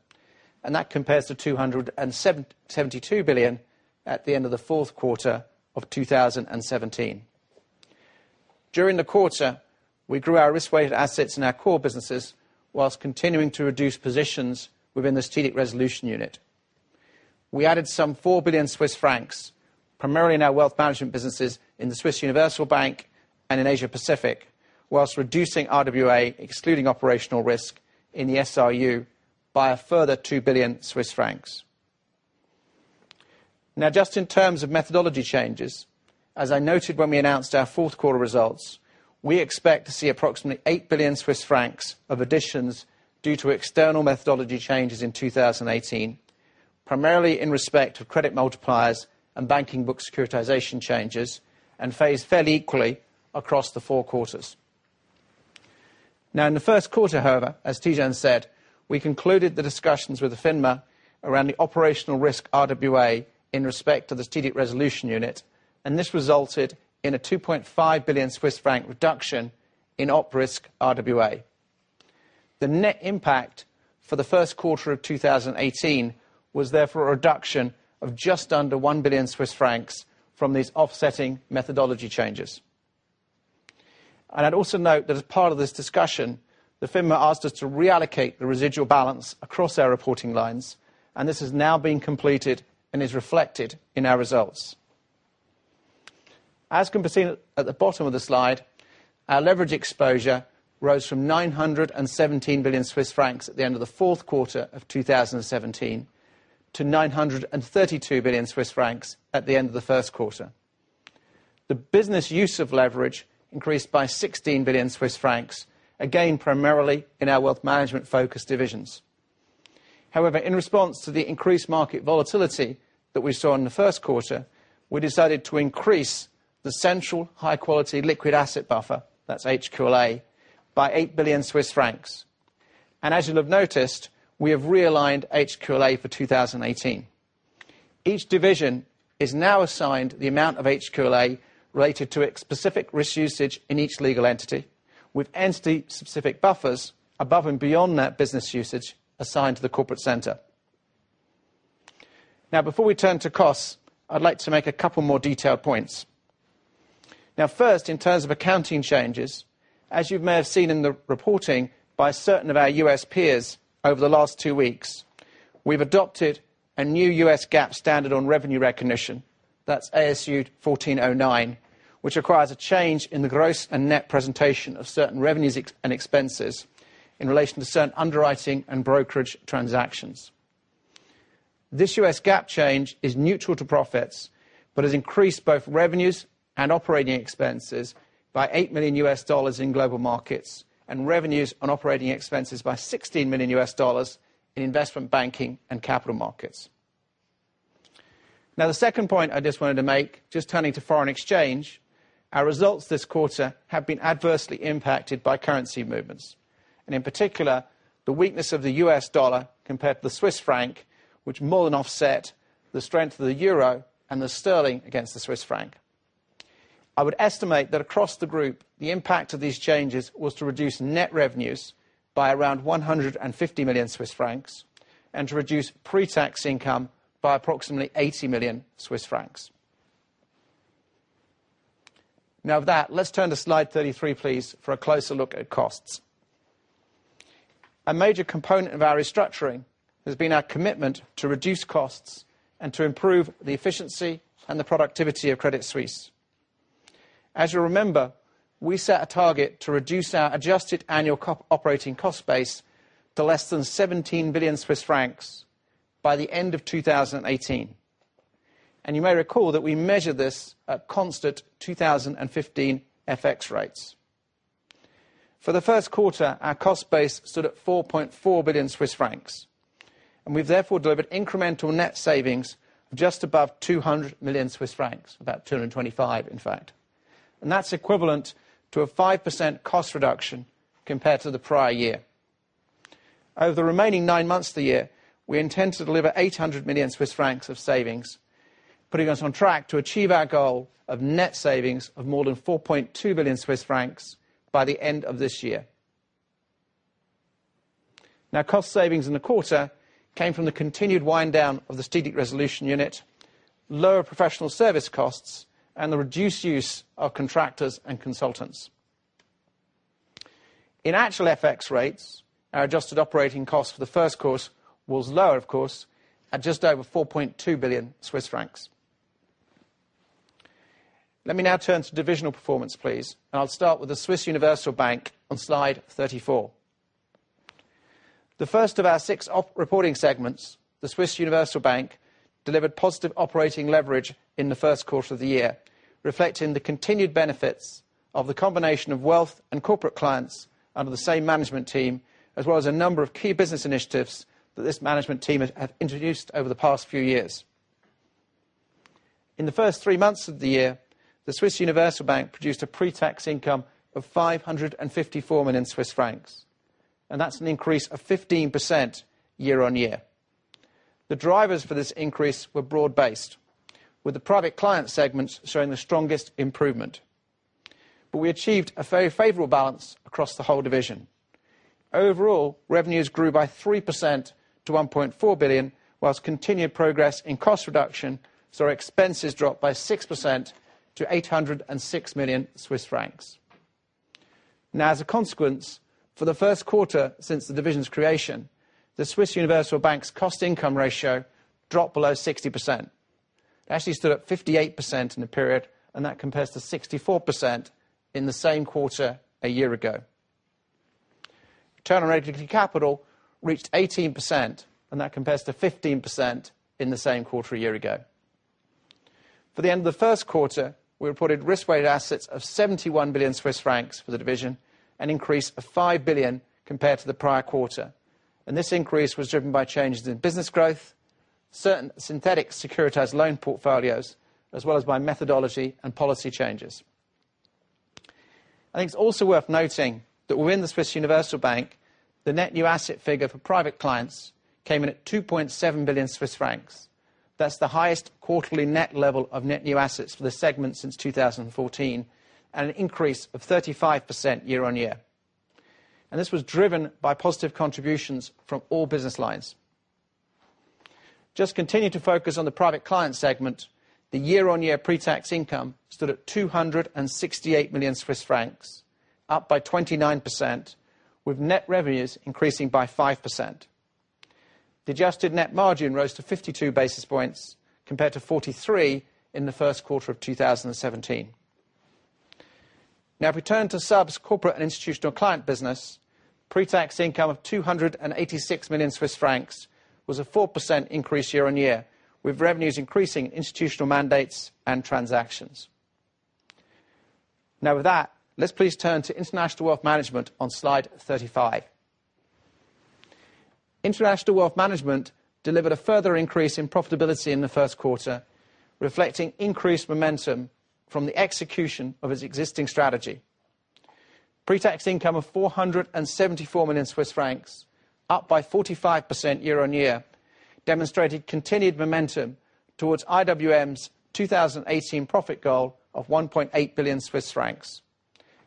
That compares to 272 billion at the end of the fourth quarter of 2017. During the quarter, we grew our risk-weighted assets in our core businesses, whilst continuing to reduce positions within the Strategic Resolution Unit. We added some 4 billion Swiss francs, primarily in our wealth management businesses in the Swiss Universal Bank and in Asia-Pacific, whilst reducing RWA, excluding operational risk in the SRU, by a further 2 billion Swiss francs. Just in terms of methodology changes, as I noted when we announced our fourth quarter results, we expect to see approximately 8 billion Swiss francs of additions due to external methodology changes in 2018, primarily in respect of credit multipliers and banking book securitization changes, and phased fairly equally across the four quarters. In the first quarter, however, as Tidjane said, we concluded the discussions with the FINMA around the operational risk RWA in respect to the Strategic Resolution Unit. This resulted in a 2.5 billion Swiss franc reduction in op risk RWA. The net impact for the first quarter of 2018 was therefore a reduction of just under 1 billion Swiss francs from these offsetting methodology changes. I'd also note that as part of this discussion, the FINMA asked us to reallocate the residual balance across our reporting lines, and this has now been completed and is reflected in our results. As can be seen at the bottom of the slide, our leverage exposure rose from 917 billion Swiss francs at the end of the fourth quarter of 2017 to 932 billion Swiss francs at the end of the first quarter. The business use of leverage increased by 16 billion Swiss francs, again, primarily in our wealth management-focused divisions. However, in response to the increased market volatility that we saw in the first quarter, we decided to increase the central high-quality liquid asset buffer, that's HQLA, by 8 billion Swiss francs. As you will have noticed, we have realigned HQLA for 2018. Each division is now assigned the amount of HQLA related to its specific risk usage in each legal entity, with entity-specific buffers above and beyond that business usage assigned to the corporate center. Before we turn to costs, I would like to make a couple more detailed points. First, in terms of accounting changes, as you may have seen in the reporting by certain of our U.S. peers over the last two weeks, we have adopted a new U.S. GAAP standard on revenue recognition. That is ASU 2014-09, which requires a change in the gross and net presentation of certain revenues and expenses in relation to certain underwriting and brokerage transactions. This U.S. GAAP change is neutral to profits, but has increased both revenues and operating expenses by $8 million in Global Markets, and revenues on operating expenses by $16 million in Investment Banking and Capital Markets. The second point I just wanted to make, just turning to foreign exchange, our results this quarter have been adversely impacted by currency movements. In particular, the weakness of the U.S. dollar compared to the Swiss franc, which more than offset the strength of the EUR and the sterling against the Swiss franc. I would estimate that across the group, the impact of these changes was to reduce net revenues by around 150 million Swiss francs, and to reduce pre-tax income by approximately 80 million Swiss francs. With that, let us turn to slide 33, please, for a closer look at costs. A major component of our restructuring has been our commitment to reduce costs and to improve the efficiency and the productivity of Credit Suisse. As you will remember, we set a target to reduce our adjusted annual operating cost base to less than 17 billion Swiss francs by the end of 2018. You may recall that we measured this at constant 2015 FX rates. For the first quarter, our cost base stood at 4.4 billion Swiss francs, and we have therefore delivered incremental net savings of just above 200 million Swiss francs, about 225 million, in fact. That is equivalent to a 5% cost reduction compared to the prior year. Over the remaining nine months of the year, we intend to deliver 800 million Swiss francs of savings, putting us on track to achieve our goal of net savings of more than 4.2 billion Swiss francs by the end of this year. Cost savings in the quarter came from the continued wind down of the Strategic Resolution Unit, lower professional service costs, and the reduced use of contractors and consultants. In actual FX rates, our adjusted operating costs for the first quarter was lower, of course, at just over 4.2 billion Swiss francs. Let me now turn to divisional performance, please. I will start with the Swiss Universal Bank on slide 34. The first of our six op reporting segments, the Swiss Universal Bank, delivered positive operating leverage in the first quarter of the year, reflecting the continued benefits of the combination of wealth and corporate clients under the same management team, as well as a number of key business initiatives that this management team have introduced over the past few years. In the first three months of the year, the Swiss Universal Bank produced a pre-tax income of 554 million Swiss francs, and that's an increase of 15% year-on-year. The drivers for this increase were broad based, with the private client segments showing the strongest improvement. We achieved a very favorable balance across the whole division. Overall, revenues grew by 3% to 1.4 billion, whilst continued progress in cost reduction saw expenses drop by 6% to 806 million Swiss francs. As a consequence, for the first quarter since the division's creation, the Swiss Universal Bank's cost income ratio dropped below 60%. It actually stood at 58% in the period, and that compares to 64% in the same quarter a year ago. Return on regulatory capital reached 18%, and that compares to 15% in the same quarter a year ago. For the end of the first quarter, we reported risk-weighted assets of 71 billion Swiss francs for the division, an increase of 5 billion compared to the prior quarter. This increase was driven by changes in business growth, certain synthetic securitized loan portfolios, as well as by methodology and policy changes. I think it's also worth noting that within the Swiss Universal Bank, the net new asset figure for private clients came in at 2.7 billion Swiss francs. That's the highest quarterly net level of net new assets for this segment since 2014, and an increase of 35% year-on-year. This was driven by positive contributions from all business lines. Just continue to focus on the private client segment, the year-on-year pre-tax income stood at 268 million Swiss francs, up by 29%, with net revenues increasing by 5%. The adjusted net margin rose to 52 basis points compared to 43 basis points in the first quarter of 2017. If we turn to SUB's corporate and institutional client business, pre-tax income of 286 million Swiss francs was a 4% increase year-on-year, with revenues increasing institutional mandates and transactions. With that, let's please turn to International Wealth Management on slide 35. International Wealth Management delivered a further increase in profitability in the first quarter, reflecting increased momentum from the execution of its existing strategy. Pre-tax income of 474 million Swiss francs, up by 45% year-on-year, demonstrated continued momentum towards IWM's 2018 profit goal of 1.8 billion Swiss francs.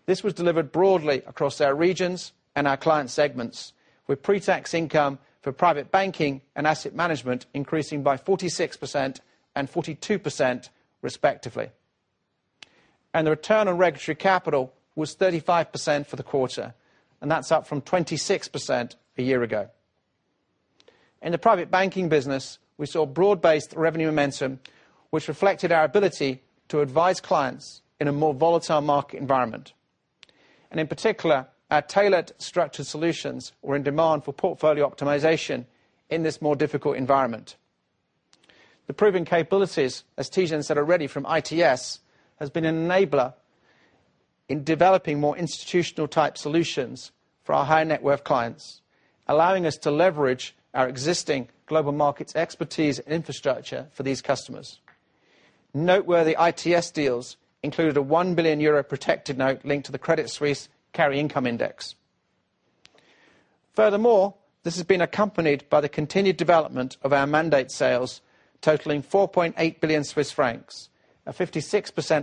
This was delivered broadly across our regions and our client segments, with pre-tax income for private banking and asset management increasing by 46% and 42% respectively. The return on regulatory capital was 35% for the quarter, and that's up from 26% a year ago. In the private banking business, we saw broad-based revenue momentum, which reflected our ability to advise clients in a more volatile market environment. In particular, our tailored structured solutions were in demand for portfolio optimization in this more difficult environment. The proven capabilities, as Tidjane said already from ITS, has been an enabler in developing more institutional type solutions for our high net worth clients, allowing us to leverage our existing Global Markets expertise and infrastructure for these customers. Noteworthy ITS deals included a 1 billion euro protected note linked to the Credit Suisse Carry Income Index. This has been accompanied by the continued development of our mandate sales, totaling 4.8 billion Swiss francs, a 56%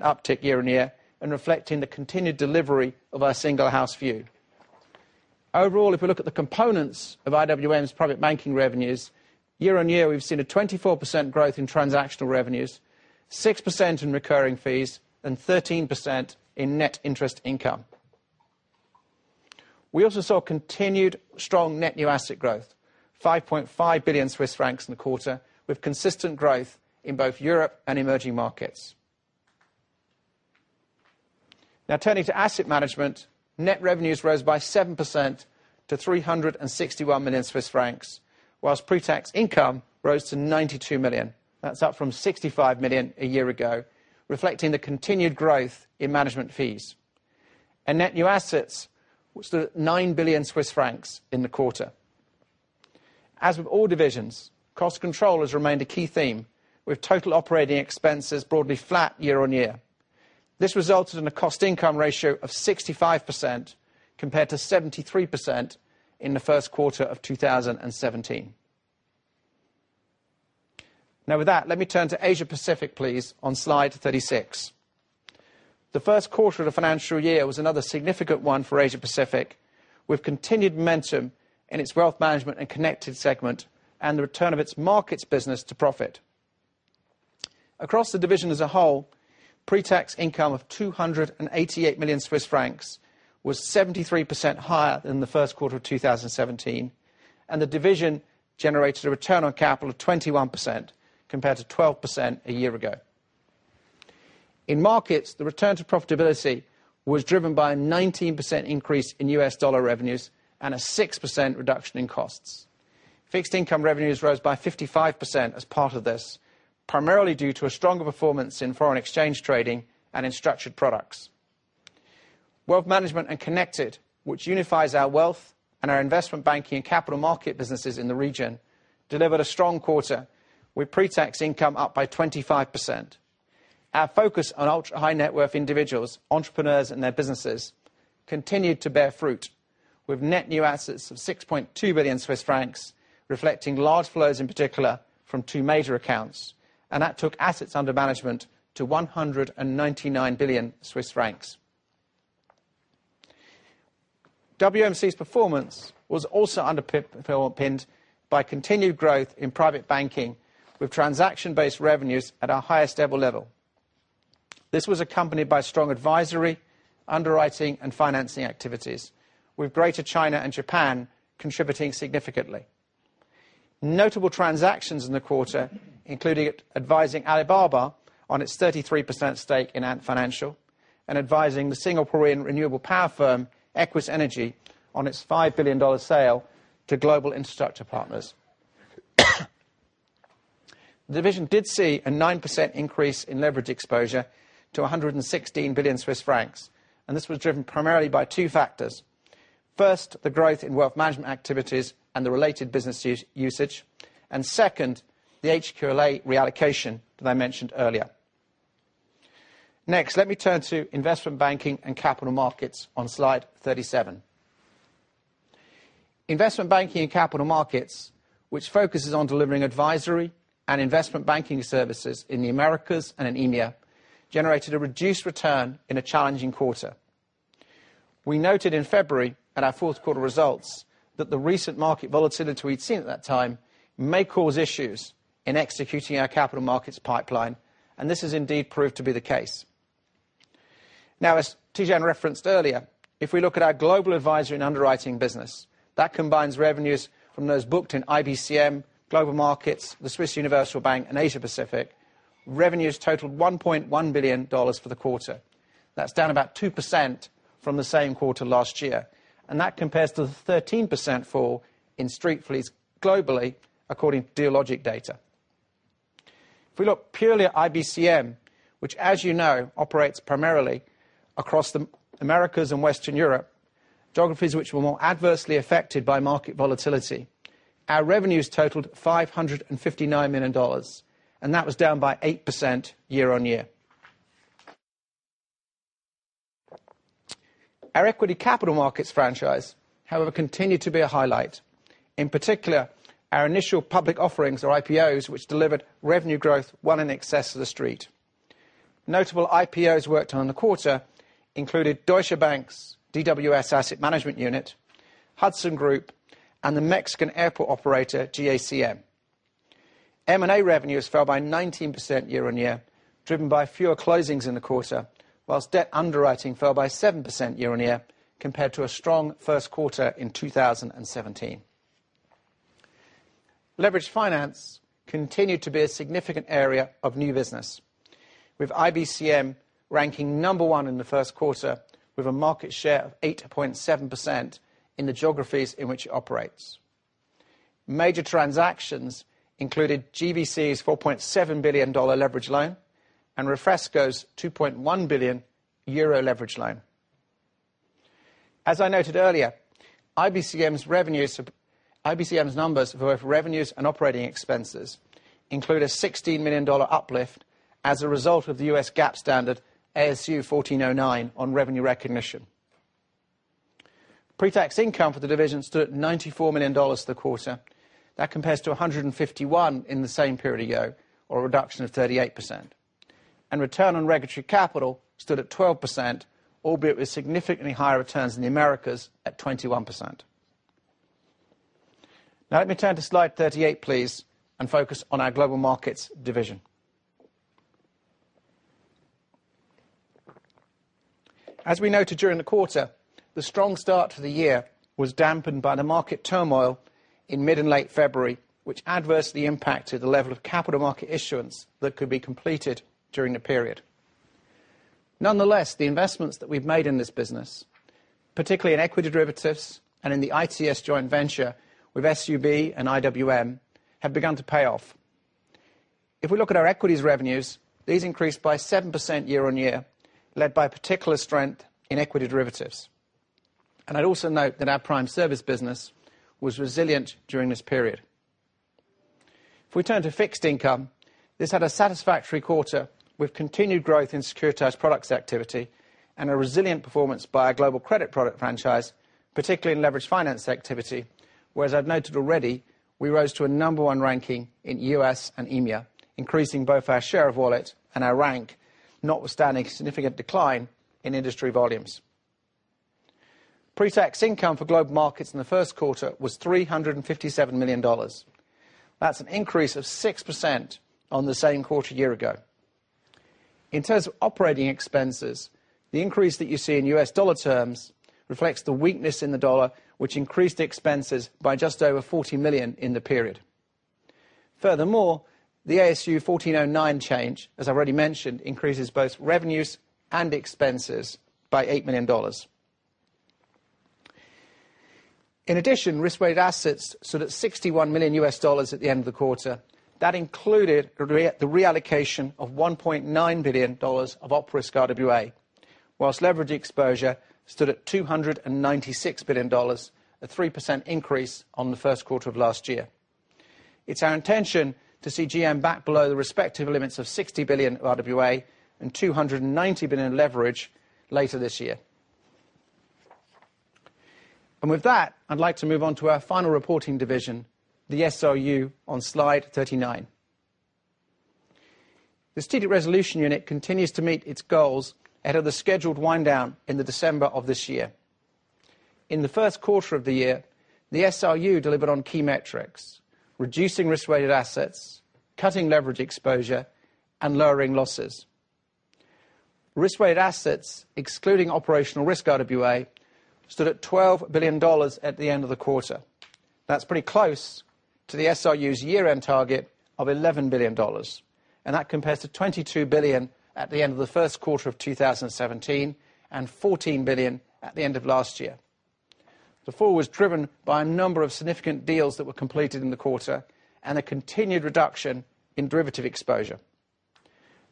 uptick year-over-year, and reflecting the continued delivery of our single house view. If we look at the components of IWM's private banking revenues, year-over-year, we've seen a 24% growth in transactional revenues, 6% in recurring fees, and 13% in net interest income. We also saw continued strong net new asset growth, 5.5 billion Swiss francs in the quarter, with consistent growth in both Europe and emerging markets. Turning to asset management, net revenues rose by 7% to 361 million Swiss francs, whilst pre-tax income rose to 92 million. That's up from 65 million a year ago, reflecting the continued growth in management fees. Net new assets, which stood at 9 billion Swiss francs in the quarter. As with all divisions, cost control has remained a key theme, with total operating expenses broadly flat year-over-year. This resulted in a cost income ratio of 65% compared to 73% in the first quarter of 2017. With that, let me turn to Asia Pacific, please, on slide 36. The first quarter of the financial year was another significant one for Asia Pacific, with continued momentum in its wealth management and connected segment, and the return of its markets business to profit. Across the division as a whole, pre-tax income of 288 million Swiss francs was 73% higher than the first quarter of 2017, the division generated a return on capital of 21% compared to 12% a year ago. In markets, the return to profitability was driven by a 19% increase in $ revenues and a 6% reduction in costs. Fixed income revenues rose by 55% as part of this, primarily due to a stronger performance in foreign exchange trading and in structured products. Wealth management and connected, which unifies our wealth and our investment banking and capital market businesses in the region, delivered a strong quarter with pre-tax income up by 25%. Our focus on ultra-high net worth individuals, entrepreneurs and their businesses continued to bear fruit with net new assets of 6.2 billion Swiss francs, reflecting large flows, in particular, from two major accounts, and that took assets under management to 199 billion Swiss francs. WMC's performance was also underpinned by continued growth in private banking with transaction-based revenues at our highest ever level. This was accompanied by strong advisory, underwriting, and financing activities, with Greater China and Japan contributing significantly. Notable transactions in the quarter included advising Alibaba on its 33% stake in Ant Financial, and advising the Singaporean renewable power firm, Equis Energy, on its $5 billion sale to Global Infrastructure Partners. The division did see a 9% increase in leverage exposure to 116 billion Swiss francs, this was driven primarily by two factors. First, the growth in wealth management activities and the related business usage, and second, the HQLA reallocation that I mentioned earlier. Next, let me turn to Investment Banking and Capital Markets on slide 37. Investment Banking and Capital Markets, which focuses on delivering advisory and investment banking services in the Americas and in EMEA, generated a reduced return in a challenging quarter. We noted in February at our fourth quarter results that the recent market volatility we'd seen at that time may cause issues in executing our capital markets pipeline, and this has indeed proved to be the case. As Tidjane referenced earlier, if we look at our global advisory and underwriting business, that combines revenues from those booked in IBCM, Global Markets, the Swiss Universal Bank, and Asia Pacific, revenues totaled CHF 1.1 billion for the quarter. That's down about 2% from the same quarter last year, and that compares to the 13% fall in Street fees globally, according to Dealogic data. If we look purely at IBCM, which as you know, operates primarily across the Americas and Western Europe, geographies which were more adversely affected by market volatility, our revenues totaled CHF 559 million, and that was down by 8% year-on-year. Our equity capital markets franchise, however, continued to be a highlight. In particular, our initial public offerings or IPOs, which delivered revenue growth well in excess of the Street. Notable IPOs worked on in the quarter included Deutsche Bank's DWS Asset Management unit, Hudson Group, and the Mexican airport operator GACM. M&A revenues fell by 19% year-on-year, driven by fewer closings in the quarter, whilst debt underwriting fell by 7% year-on-year, compared to a strong first quarter in 2017. Leveraged finance continued to be a significant area of new business. With IBCM ranking number 1 in the first quarter with a market share of 8.7% in the geographies in which it operates. Major transactions included GVC's CHF 4.7 billion leverage loan and Refresco's 2.1 billion euro leverage loan. As I noted earlier, IBCM's numbers both revenues and operating expenses include a CHF 16 million uplift as a result of the US GAAP standard ASU 2014-09 on revenue recognition. Pre-tax income for the division stood at CHF 94 million for the quarter. That compares to 151 million in the same period a year ago, or a reduction of 38%. Return on regulatory capital stood at 12%, albeit with significantly higher returns in the Americas at 21%. Let me turn to slide 38, please, and focus on our Global Markets division. As we noted during the quarter, the strong start to the year was dampened by the market turmoil in mid and late February, which adversely impacted the level of capital market issuance that could be completed during the period. The investments that we've made in this business, particularly in equity derivatives and in the ITS joint venture with SUB and IWM, have begun to pay off. If we look at our equities revenues, these increased by 7% year-on-year, led by particular strength in equity derivatives. I'd also note that our prime service business was resilient during this period. If we turn to fixed income, this had a satisfactory quarter with continued growth in securitized products activity and a resilient performance by our global credit product franchise Particularly in leveraged finance activity. Whereas I've noted already, we rose to a number one ranking in U.S. and EMEA, increasing both our share of wallet and our rank, notwithstanding significant decline in industry volumes. Pre-tax income for Global Markets in the first quarter was CHF 357 million. That's an increase of 6% on the same quarter a year ago. In terms of operating expenses, the increase that you see in U.S. dollar terms reflects the weakness in the dollar, which increased expenses by just over $40 million in the period. Furthermore, the ASU 2014-09 change, as I've already mentioned, increases both revenues and expenses by CHF 8 million. In addition, risk-weighted assets stood at $61 [million] at the end of the quarter. That included the reallocation of CHF 1.9 billion of op risk RWA, whilst leverage exposure stood at CHF 296 billion, a 3% increase on the first quarter of last year. It's our intention to see GM back below the respective limits of 60 billion of RWA and 290 billion leverage later this year. With that, I'd like to move on to our final reporting division, the SRU on slide 39. The Strategic Resolution Unit continues to meet its goals ahead of the scheduled wind down in the December of this year. In the first quarter of the year, the SRU delivered on key metrics, reducing risk-weighted assets, cutting leverage exposure, and lowering losses. Risk-weighted assets, excluding operational risk RWA, stood at CHF 12 billion at the end of the quarter. That's pretty close to the SRU's year-end target of CHF 11 billion, and that compares to 22 billion at the end of the first quarter of 2017, and 14 billion at the end of last year. The fall was driven by a number of significant deals that were completed in the quarter and a continued reduction in derivative exposure.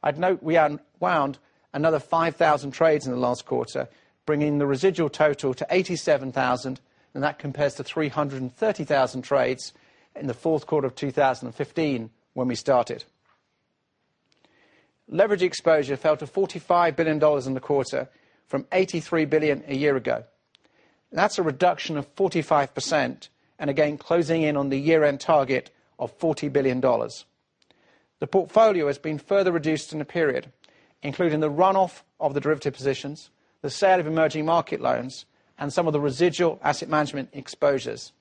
I'd note we unwound another 5,000 trades in the last quarter, bringing the residual total to 87,000, and that compares to 330,000 trades in the fourth quarter of 2015, when we started. Leverage exposure fell to CHF 45 billion in the quarter from 83 billion a year ago. That's a reduction of 45%, and again, closing in on the year-end target of CHF 40 billion. The portfolio has been further reduced in the period, including the run-off of the derivative positions, the sale of emerging market loans, and some of the residual asset management exposures.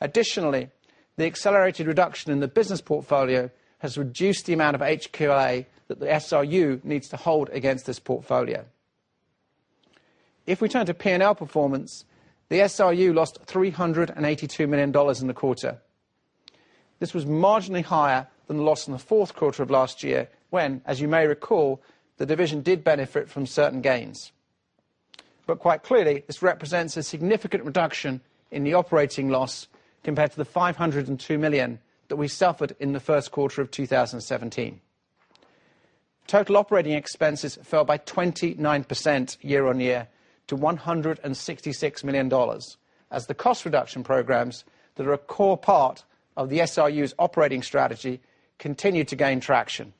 Additionally, the accelerated reduction in the business portfolio has reduced the amount of HQLA that the SRU needs to hold against this portfolio. If we turn to P&L performance, the SRU lost CHF 382 million in the quarter. This was marginally higher than the loss in the fourth quarter of last year when, as you may recall, the division did benefit from certain gains. Quite clearly, this represents a significant reduction in the operating loss, compared to 502 million that we suffered in the first quarter of 2017. Total operating expenses fell by 29% year-on-year to CHF 166 million, as the cost reduction programs that are a core part of the SRU's operating strategy continue to gain traction.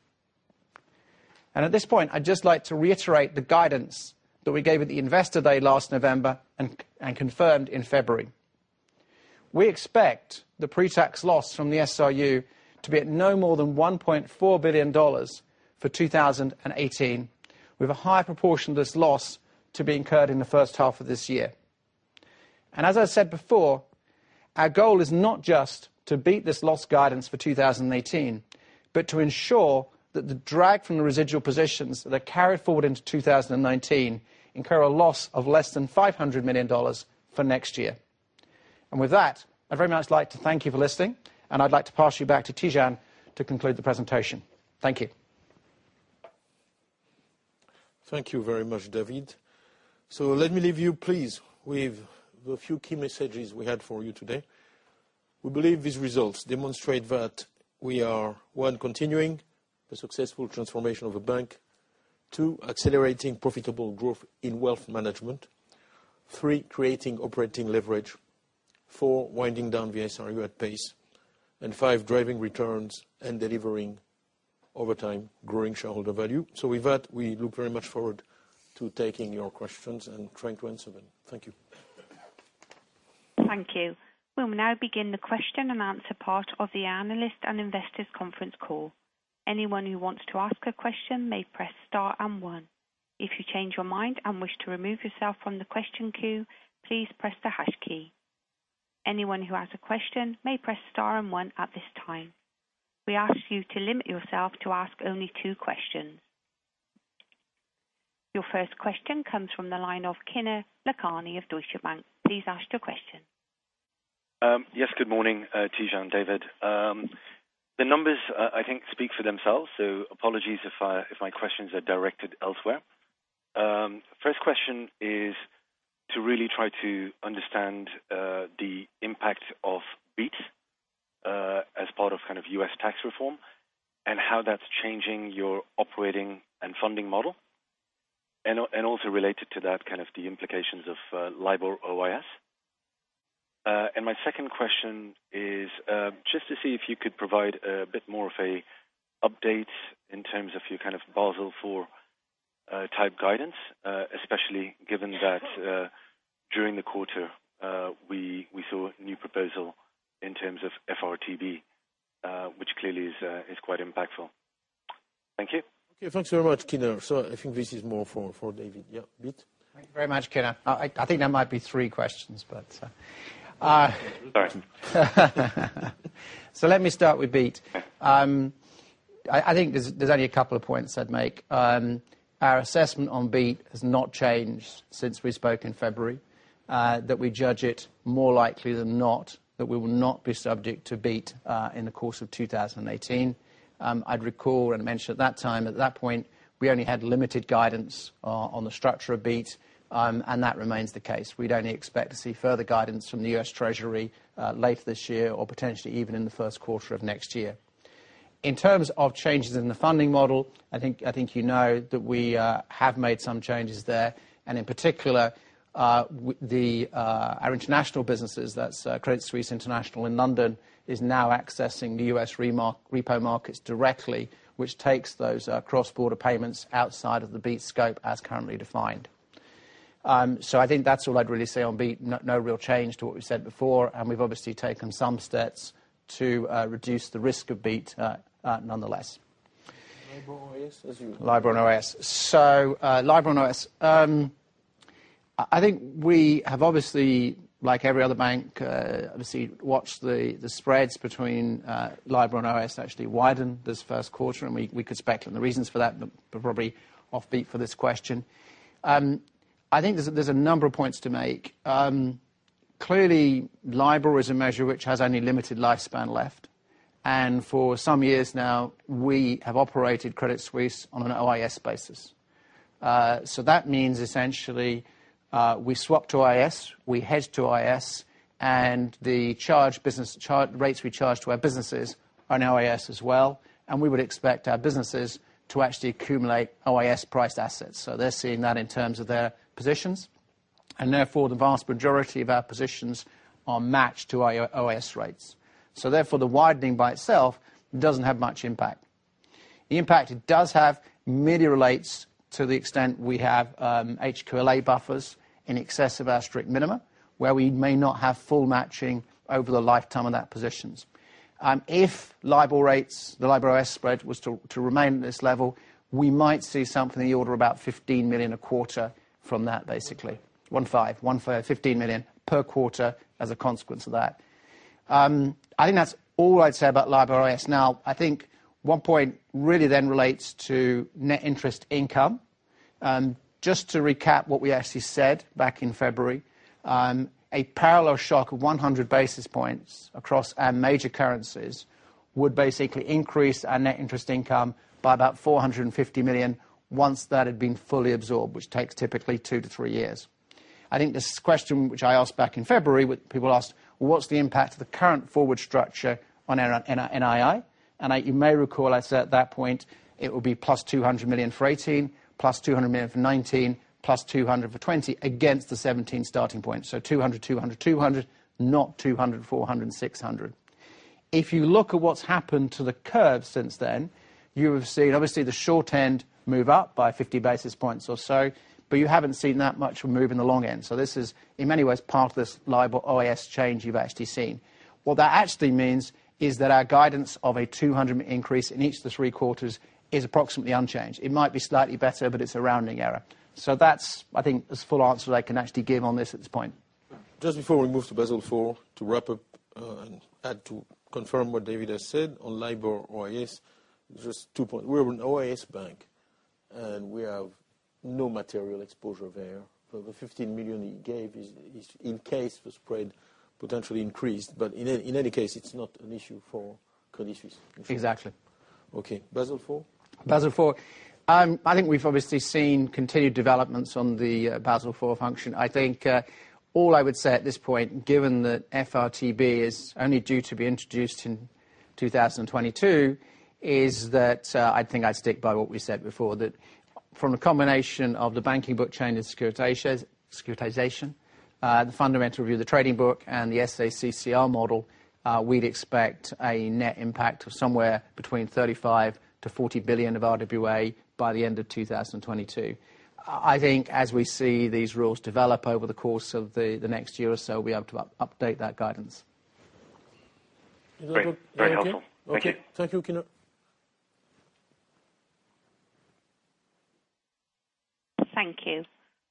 At this point, I'd just like to reiterate the guidance that we gave at the Investor Day last November and confirmed in February. We expect the pre-tax loss from the SRU to be at no more than CHF 1.4 billion for 2018, with a high proportion of this loss to be incurred in the first half of this year. As I said before, our goal is not just to beat this loss guidance for 2018, but to ensure that the drag from the residual positions that are carried forward into 2019 incur a loss of less than CHF 500 million for next year. With that, I'd very much like to thank you for listening, and I'd like to pass you back to Tidjane to conclude the presentation. Thank you. Thank you very much, David. Let me leave you, please, with the few key messages we had for you today. We believe these results demonstrate that we are, one, continuing the successful transformation of the bank. Two, accelerating profitable growth in wealth management. Three, creating operating leverage. Four, winding down the SRU at pace. Five, driving returns and delivering over time growing shareholder value. With that, we look very much forward to taking your questions and trying to answer them. Thank you. Thank you. We'll now begin the question and answer part of the analyst and investors conference call. Anyone who wants to ask a question may press star and one. If you change your mind and wish to remove yourself from the question queue, please press the hash key. Anyone who has a question may press star and one at this time. We ask you to limit yourself to ask only two questions. Your first question comes from the line of Kinner Lakhani of Deutsche Bank. Please ask your question. Good morning, Tidjane and David. The numbers, I think, speak for themselves, so apologies if my questions are directed elsewhere. First question is to really try to understand the impact of BEAT as part of U.S. tax reform, and how that's changing your operating and funding model. Also related to that, the implications of LIBOR-OIS My second question is just to see if you could provide a bit more of an update in terms of your kind of Basel IV type 4 guidance, especially given that during the quarter, we saw a new proposal in terms of FRTB, which clearly is quite impactful. Thank you. Okay. Thanks very much, Kinner. I think this is more for David. Yeah. BEAT? Thank you very much, Kinner. I think that might be three questions. Sorry. Let me start with BEAT. I think there's only a couple of points I'd make. Our assessment on BEAT has not changed since we spoke in February, that we judge it more likely than not that we will not be subject to BEAT in the course of 2018. I'd recall and mention at that time, at that point, we only had limited guidance on the structure of BEAT, and that remains the case. We'd only expect to see further guidance from the U.S. Treasury later this year or potentially even in the first quarter of next year. In terms of changes in the funding model, I think you know that we have made some changes there, in particular, our international businesses, that's Credit Suisse International in London, is now accessing the U.S. repo markets directly, which takes those cross-border payments outside of the BEAT scope as currently defined. I think that's all I'd really say on BEAT. No real change to what we've said before, and we've obviously taken some steps to reduce the risk of BEAT nonetheless. LIBOR-OIS. LIBOR and OIS. LIBOR and OIS. I think we have obviously, like every other bank, obviously watched the spreads between LIBOR and OIS actually widen this first quarter, and we could speculate on the reasons for that, but probably offbeat for this question. I think there's a number of points to make. Clearly, LIBOR is a measure which has only limited lifespan left. For some years now, we have operated Credit Suisse on an OIS basis. That means essentially we swap to OIS, we hedge to OIS, and the rates we charge to our businesses are in OIS as well, and we would expect our businesses to actually accumulate OIS priced assets. They're seeing that in terms of their positions, and therefore the vast majority of our positions are matched to our OIS rates. Therefore, the widening by itself doesn't have much impact. The impact it does have merely relates to the extent we have HQLA buffers in excess of our strict minima, where we may not have full matching over the lifetime of that positions. If the LIBOR-OIS spread was to remain at this level, we might see something in the order of about 15 million a quarter from that, basically. 15 million per quarter as a consequence of that. I think that's all I'd say about LIBOR-OIS. I think one point really then relates to net interest income. Just to recap what we actually said back in February, a parallel shock of 100 basis points across our major currencies would basically increase our net interest income by about 450 million once that had been fully absorbed, which takes typically two to three years. I think this question, which I asked back in February, people asked, what's the impact of the current forward structure on our NII? You may recall I said at that point it would be plus 200 million for 2018, plus 200 million for 2019, plus 200 for 2020 against the 2017 starting point. 200, 200, 200, not 200, 400, 600. You look at what's happened to the curve since then, you have seen obviously the short end move up by 50 basis points or so, but you haven't seen that much of a move in the long end. This is, in many ways, part of this LIBOR-OIS change you've actually seen. What that actually means is that our guidance of a 200 increase in each of the three quarters is approximately unchanged. It might be slightly better, but it's a rounding error. That's, I think, as full answer I can actually give on this at this point. Just before we move to Basel IV, to wrap up and add to confirm what David has said on LIBOR-OIS, just two points. We're an OIS bank, we have no material exposure there. The 15 million he gave is in case the spread potentially increased. In any case, it's not an issue for Credit Suisse. Exactly. Okay. Basel IV. Basel IV. I think we've obviously seen continued developments on the Basel IV function. I think all I would say at this point, given that FRTB is only due to be introduced in 2022, is that I think I'd stick by what we said before, that from a combination of the banking book change and securitization, the Fundamental Review of the Trading Book and the SA-CCR model, we'd expect a net impact of somewhere between 35 billion-40 billion of RWA by the end of 2022. I think as we see these rules develop over the course of the next year or so, we'll be able to update that guidance. Very helpful. Thank you. Okay. Thank you, Kinner. Thank you.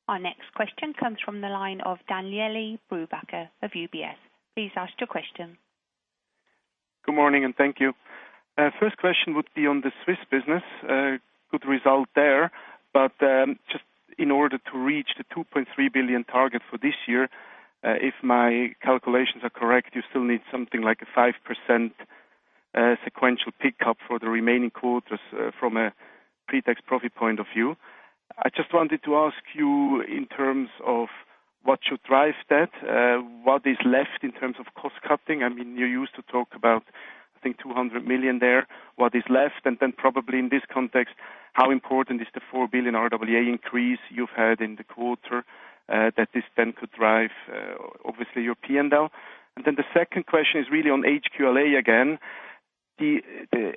Our next question comes from the line of Daniele Brupbacher of UBS. Please ask your question. Good morning, thank you. First question would be on the Swiss business. Good result there. In order to reach the 2.3 billion target for this year, if my calculations are correct, you still need something like a 5% sequential pickup for the remaining quarters from a pre-tax profit point of view. I just wanted to ask you in terms of what should drive that, what is left in terms of cost cutting. I mean, you used to talk about I think 200 million there. What is left? Probably in this context, how important is the 4 billion RWA increase you've had in the quarter, that this then could drive, obviously, your P&L. The second question is really on HQLA again. The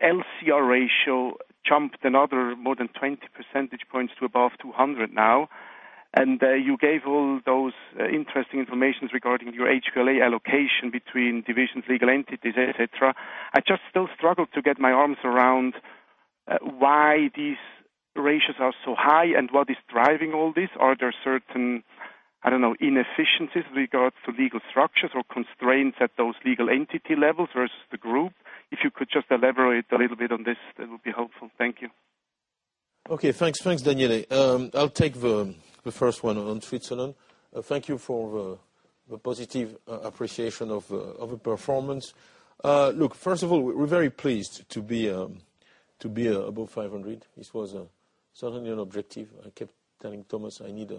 LCR ratio jumped another more than 20 percentage points to above 200 now. You gave all those interesting informations regarding your HQLA allocation between divisions, legal entities, et cetera. I just still struggle to get my arms around why these ratios are so high and what is driving all this. Are there certain, I don't know, inefficiencies regards to legal structures or constraints at those legal entity levels versus the group? If you could just elaborate a little bit on this, that would be helpful. Thank you. Okay. Thanks, Daniele. I'll take the first one on Switzerland. Thank you for the positive appreciation of the performance. Look, first of all, we're very pleased to be above 500 million. This was certainly an objective. I kept telling Thomas I need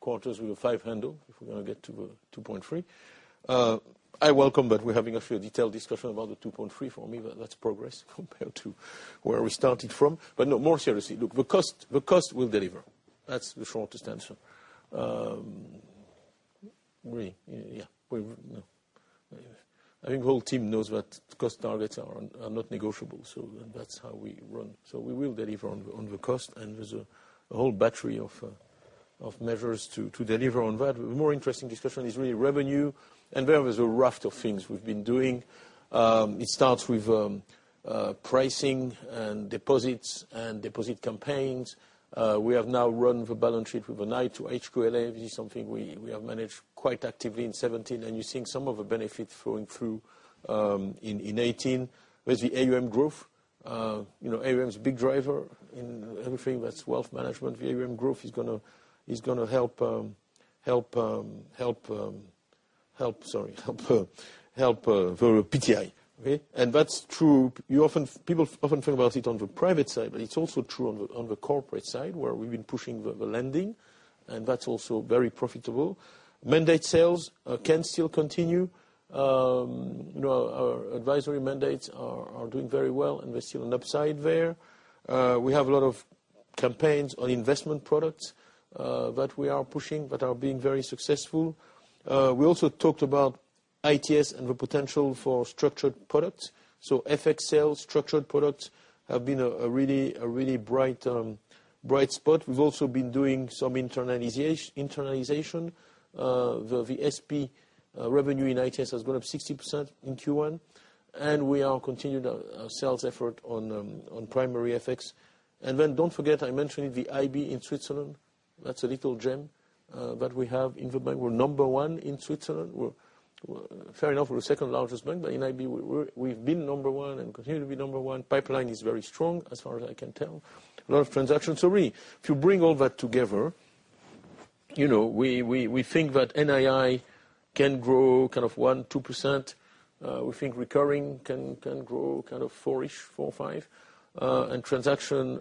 quarters with a five handle if we're going to get to 2.3 billion. I welcome that we're having a fair, detailed discussion about the 2.3 billion. For me, that's progress compared to where we started from. No, more seriously, look, the cost will deliver. That's the short answer. I think the whole team knows what cost targets are not negotiable. That's how we run. We will deliver on the cost, and there's a whole battery of measures to deliver on that. The more interesting discussion is really revenue, and there was a raft of things we've been doing. It starts with pricing and deposits and deposit campaigns. We have now run the balance sheet with an eye to HQLA. This is something we have managed quite actively in 2017, and you're seeing some of the benefit flowing through, in 2018. There's the AUM growth. AUM is a big driver in everything that's wealth management. The AUM growth is going to help, sorry, help the PTI. Okay. That's true. People often think about it on the private side, but it's also true on the corporate side, where we've been pushing the lending, and that's also very profitable. Mandate sales can still continue. Our advisory mandates are doing very well, and we're still on upside there. We have a lot of campaigns on investment products that we are pushing that are being very successful. We also talked about ITS and the potential for structured products. FX sales, structured products have been a really bright spot. We've also been doing some internalization. The SP revenue in ITS has gone up 60% in Q1, and we are continuing our sales effort on primary FX. Don't forget, I mentioned the IB in Switzerland. That's a little gem that we have in the bank. We're number one in Switzerland. Fair enough, we're the second-largest bank, but in IB, we've been number one and continue to be number one. Pipeline is very strong as far as I can tell. A lot of transactions. Really, if you bring all that together, we think that NII can grow 1%-2%. We think recurring can grow 4-ish, 4%-5%. Transaction,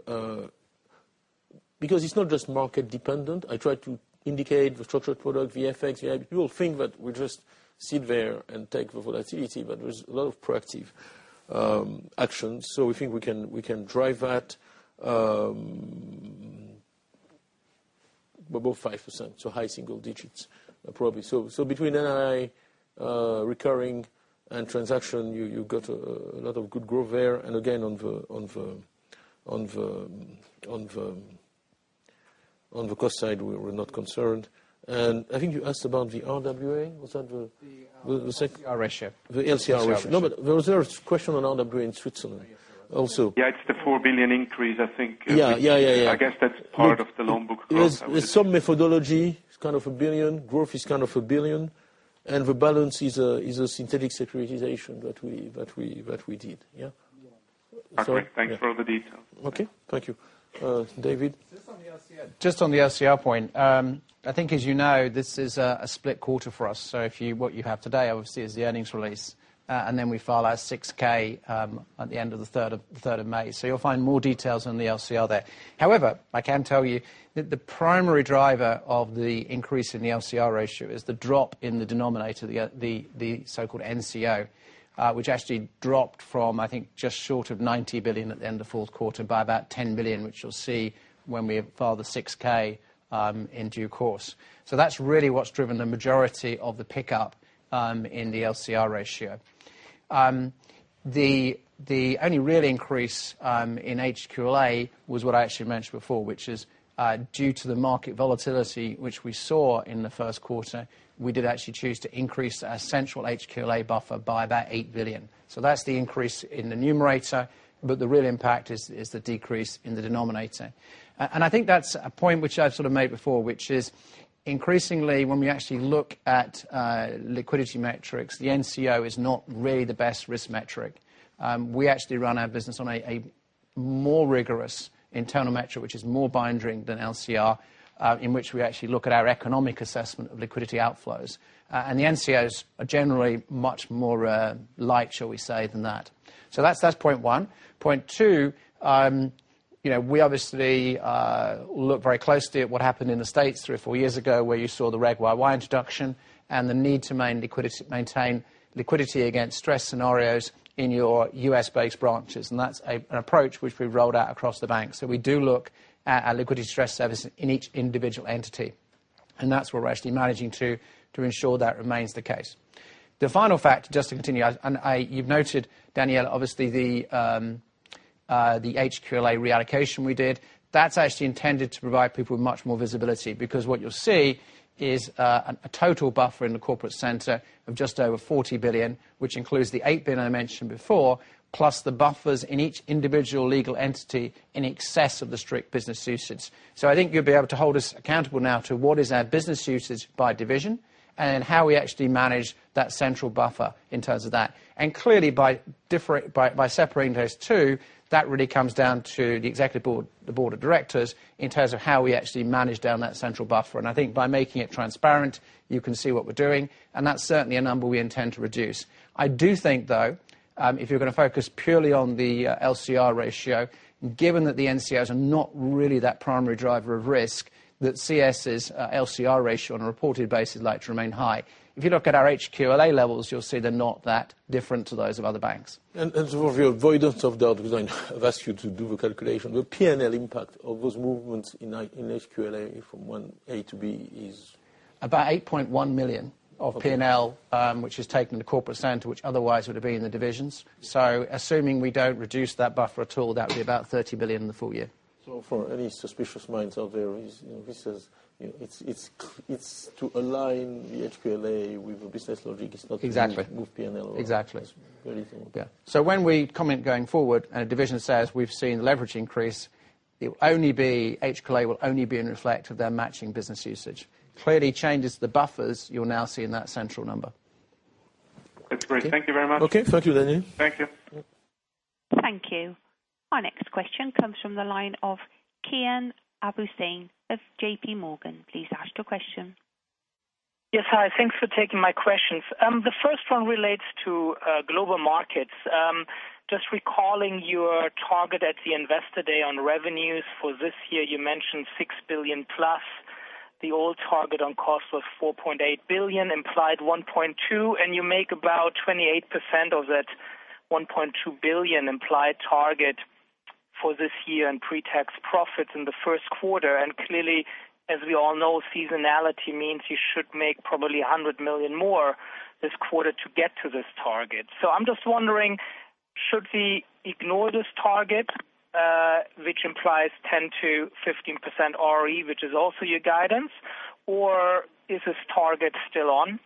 because it's not just market-dependent. I try to indicate the structured product, the FX. People think that we just sit there and take the volatility, but there's a lot of proactive actions. We think we can drive that above 5%, high single digits probably. Between NII, recurring, and transaction, you've got a lot of good growth there. And again, on the cost side, we're not concerned. And I think you asked about the RWA. Was that the- The LCR ratio the LCR ratio. LCR ratio. No, there was a question on RWA in Switzerland also. Yeah, it's the 4 billion increase, I think. Yeah. I guess that's part of the loan book growth. There's some methodology. It's 1 billion. Growth is 1 billion, and the balance is a synthetic securitization that we did. Yeah? Yeah. Sorry. Okay. Thanks for all the detail. Okay. Thank you. David? Just on the LCR point. I think as you know, this is a split quarter for us. What you have today, obviously, is the earnings release, and then we file our 6-K at the end of the 3rd of May. You'll find more details on the LCR there. However, I can tell you that the primary driver of the increase in the LCR ratio is the drop in the denominator, the so-called NCO, which actually dropped from, I think, just short of 90 billion at the end of fourth quarter by about 10 billion, which you'll see when we file the 6-K in due course. That's really what's driven the majority of the pickup in the LCR ratio. The only real increase in HQLA was what I actually mentioned before, which is due to the market volatility, which we saw in the first quarter, we did actually choose to increase our central HQLA buffer by about 8 billion. That's the increase in the numerator, but the real impact is the decrease in the denominator. I think that's a point which I've sort of made before, which is increasingly, when we actually look at liquidity metrics, the NCO is not really the best risk metric. We actually run our business on a more rigorous internal metric, which is more binding than LCR, in which we actually look at our economic assessment of liquidity outflows. The NCOs are generally much more light, shall we say, than that. That's point one. Point two. We obviously look very closely at what happened in the U.S. three or four years ago, where you saw the Regulation YY introduction and the need to maintain liquidity against stress scenarios in your U.S.-based branches. That's an approach which we've rolled out across the bank. We do look at our liquidity stress service in each individual entity, and that's where we're actually managing to ensure that remains the case. The final fact, just to continue, and you've noted, Daniele, obviously the HQLA reallocation we did, that's actually intended to provide people with much more visibility because what you'll see is a total buffer in the corporate center of just over 40 billion, which includes the 8 billion I mentioned before, plus the buffers in each individual legal entity in excess of the strict business usage. I think you'll be able to hold us accountable now to what is our business usage by division, and then how we actually manage that central buffer in terms of that. Clearly by separating those two, that really comes down to the executive board, the board of directors, in terms of how we actually manage down that central buffer. I think by making it transparent, you can see what we're doing, and that's certainly a number we intend to reduce. I do think, though, if you're going to focus purely on the LCR ratio, given that the NCOs are not really that primary driver of risk, that Credit Suisse's LCR ratio on a reported basis is likely to remain high. If you look at our HQLA levels, you'll see they're not that different to those of other banks. For your avoidance of doubt, because I have asked you to do the calculation, the P&L impact of those movements in HQLA from 1A to B is? About 8.1 million of P&L, which has taken the Corporate Center, which otherwise would have been in the divisions. Assuming we don't reduce that buffer at all, that would be about 30 [billion] in the full year. For any suspicious minds out there, it's to align the HQLA with the business logic. Exactly. It's not to move P&L around. Exactly. That's very thorough. Yeah. When we comment going forward, and a division says we've seen leverage increase, HQLA will only be in reflect of their matching business usage. Clearly changes the buffers you'll now see in that central number. That's great. Thank you very much. Okay. Thank you, Daniele. Thank you. Thank you. Our next question comes from the line of Kian Abouhossein of JPMorgan. Please ask your question. Yes. Hi. Thanks for taking my questions. The first one relates to Global Markets. Recalling your target at the Investor Day on revenues for this year, you mentioned 6 billion plus. The old target on cost was 4.8 billion, implied 1.2 billion, and you make about 28% of that 1.2 billion implied target for this year in pre-tax profits in the first quarter. Clearly, as we all know, seasonality means you should make probably 100 million more this quarter to get to this target. I'm just wondering, should we ignore this target, which implies 10%-15% ROE, which is also your guidance, or is this target still on?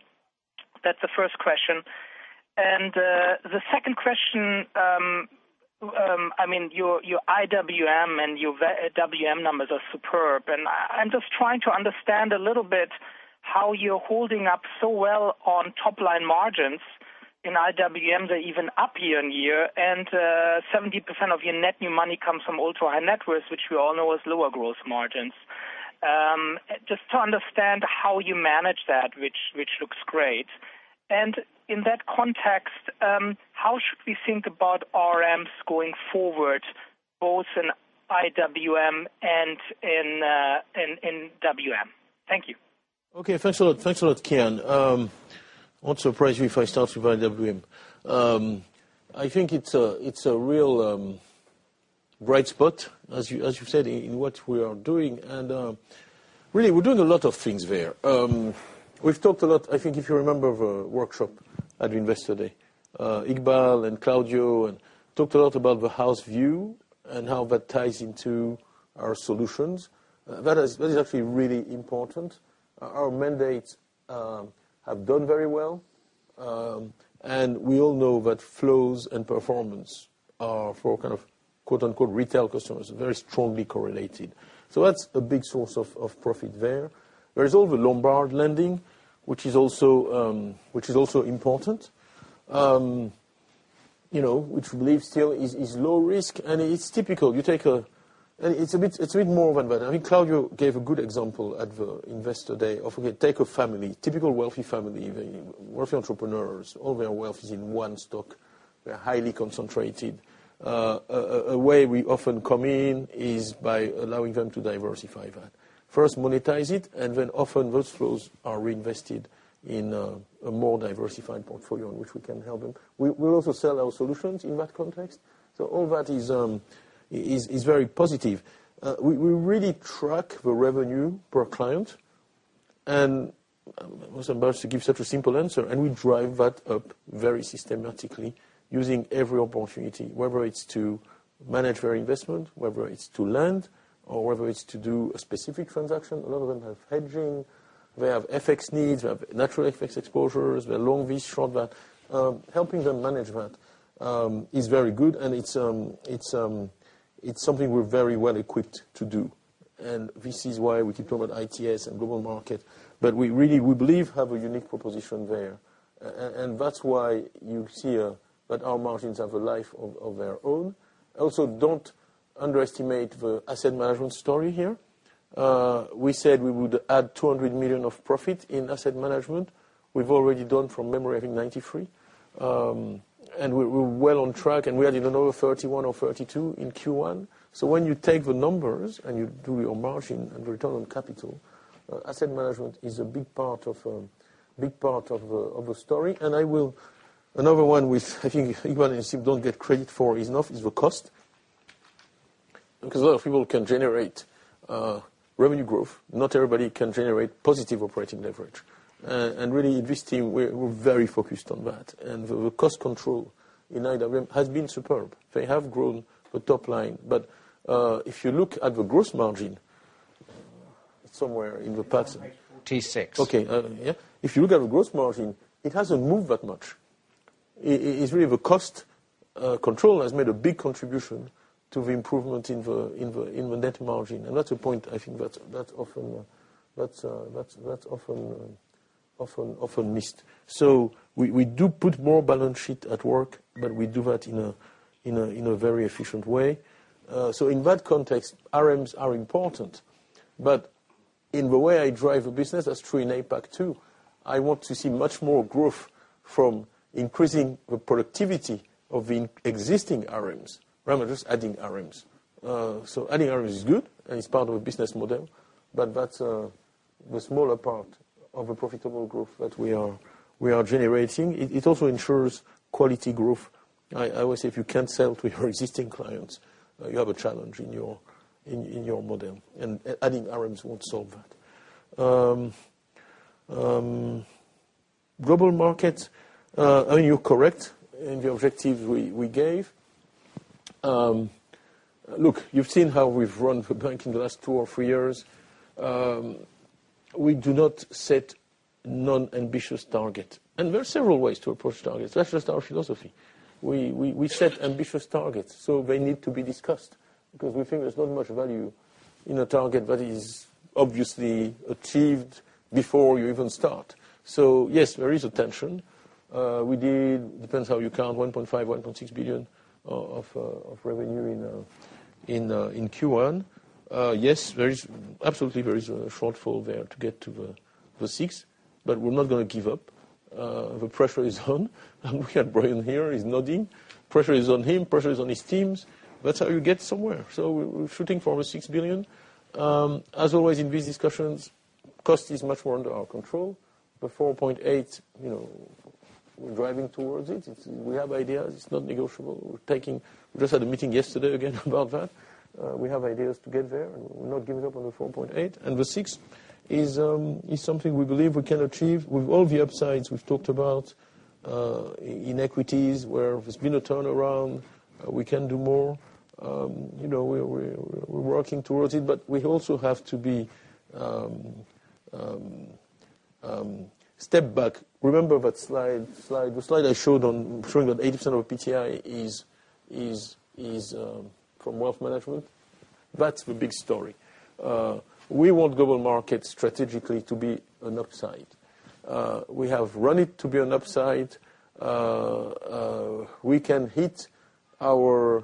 That's the first question. The second question, your IWM and your WM numbers are superb. I'm just trying to understand a little bit how you're holding up so well on top line margins in IWM. They're even up year-on-year. 70% of your net new money comes from ultra high net worth, which we all know has lower growth margins. Just to understand how you manage that, which looks great. In that context, how should we think about RMs going forward, both in IWM and in WM? Thank you. Okay. Thanks a lot, Kian. Won't surprise me if I start with IWM. I think it's a real bright spot, as you said, in what we are doing. Really, we're doing a lot of things there. We've talked a lot, I think, if you remember, the workshop at Investor Day. Iqbal and Claudio talked a lot about the house view and how that ties into our solutions. That is actually really important. Our mandates have done very well. We all know that flows and performance are for kind of "retail customers" very strongly correlated. That's a big source of profit there. There is all the Lombard lending, which is also important, which we believe still is low risk. It's typical. It's a bit more than that. I think Claudio gave a good example at the Investor Day of take a family, typical wealthy family, wealthy entrepreneurs. All their wealth is in one stock. They're highly concentrated. A way we often come in is by allowing them to diversify that. First monetize it, then often those flows are reinvested in a more diversified portfolio in which we can help them. We also sell our solutions in that context. All that is very positive. We really track the revenue per client. I was about to give such a simple answer, and we drive that up very systematically using every opportunity, whether it's to manage their investment, whether it's to lend, or whether it's to do a specific transaction. A lot of them have hedging. They have FX needs. They have natural FX exposures. They're long this, short that. Helping them manage that is very good. It's something we're very well equipped to do. This is why we keep talking about ITS and Global Markets. We really, we believe, have a unique proposition there. That's why you see that our margins have a life of their own. Don't underestimate the asset management story here. We said we would add 200 million of profit in asset management. We've already done, from memory, I think 93. We're well on track, and we added another 31 or 32 in Q1. When you take the numbers and you do your margin and return on capital, asset management is a big part of the story. Another one with, I think Ivan and team don't get credit for is enough, is the cost. A lot of people can generate revenue growth, not everybody can generate positive operating leverage. Really, this team, we're very focused on that. The cost control in IWM has been superb. They have grown the top line. If you look at the gross margin, Page 46. Okay. Yeah. If you look at the gross margin, it hasn't moved that much. It's really the cost control has made a big contribution to the improvement in the net margin. That's a point, I think that's often missed. We do put more balance sheet at work, but we do that in a very efficient way. In that context, RMs are important, but in the way I drive a business, that's true in APAC too, I want to see much more growth from increasing the productivity of the existing RMs, rather than just adding RMs. Adding RMs is good, and it's part of a business model, but that's the smaller part of the profitable growth that we are generating. It also ensures quality growth. I always say if you can't sell to your existing clients, you have a challenge in your model, and adding RMs won't solve that. Global Markets, you're correct in the objectives we gave. Look, you've seen how we've run the bank in the last two or three years. We do not set non-ambitious target. There are several ways to approach targets. That's just our philosophy. We set ambitious targets, so they need to be discussed, because we think there's not much value in a target that is obviously achieved before you even start. Yes, there is a tension. We did, depends how you count, 1.5 billion, 1.6 billion of revenue in Q1. Yes, absolutely, there is a shortfall there to get to the 6 billion, but we're not going to give up. The pressure is on, we have Brian here is nodding. Pressure is on him, pressure is on his teams. That's how you get somewhere. We're shooting for over 6 billion. As always in these discussions, cost is much more under our control, 4.8, we're driving towards it. We have ideas. It's not negotiable. We just had a meeting yesterday again about that. We have ideas to get there, we're not giving up on the 4.8. The 6 is something we believe we can achieve with all the upsides we've talked about. In equities, where there's been a turnaround, we can do more. We're working towards it, but we also have to be-- step back. Remember the slide I showed on showing that 80% of PTI is from wealth management? That's the big story. We want Global Markets strategically to be an upside. We have run it to be an upside. We can hit our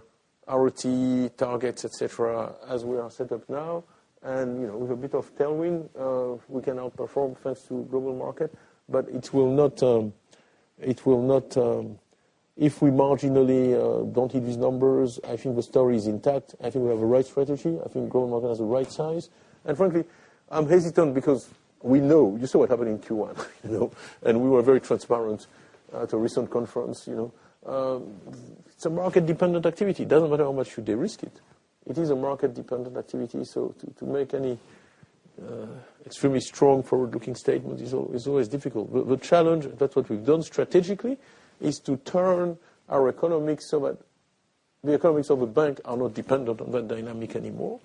TE targets, et cetera, as we are set up now. With a bit of tailwind, we can outperform, thanks to Global Markets. If we marginally don't hit these numbers, I think the story is intact. I think we have a right strategy. I think Global Markets has a right size. Frankly, I'm hesitant because we know, you saw what happened in Q1, we were very transparent at a recent conference. It's a market-dependent activity. It doesn't matter how much you de-risk it. It is a market-dependent activity, so to make any extremely strong forward-looking statement is always difficult. The challenge, that's what we've done strategically, is to turn our economics so that the economics of a bank are not dependent on that dynamic anymore.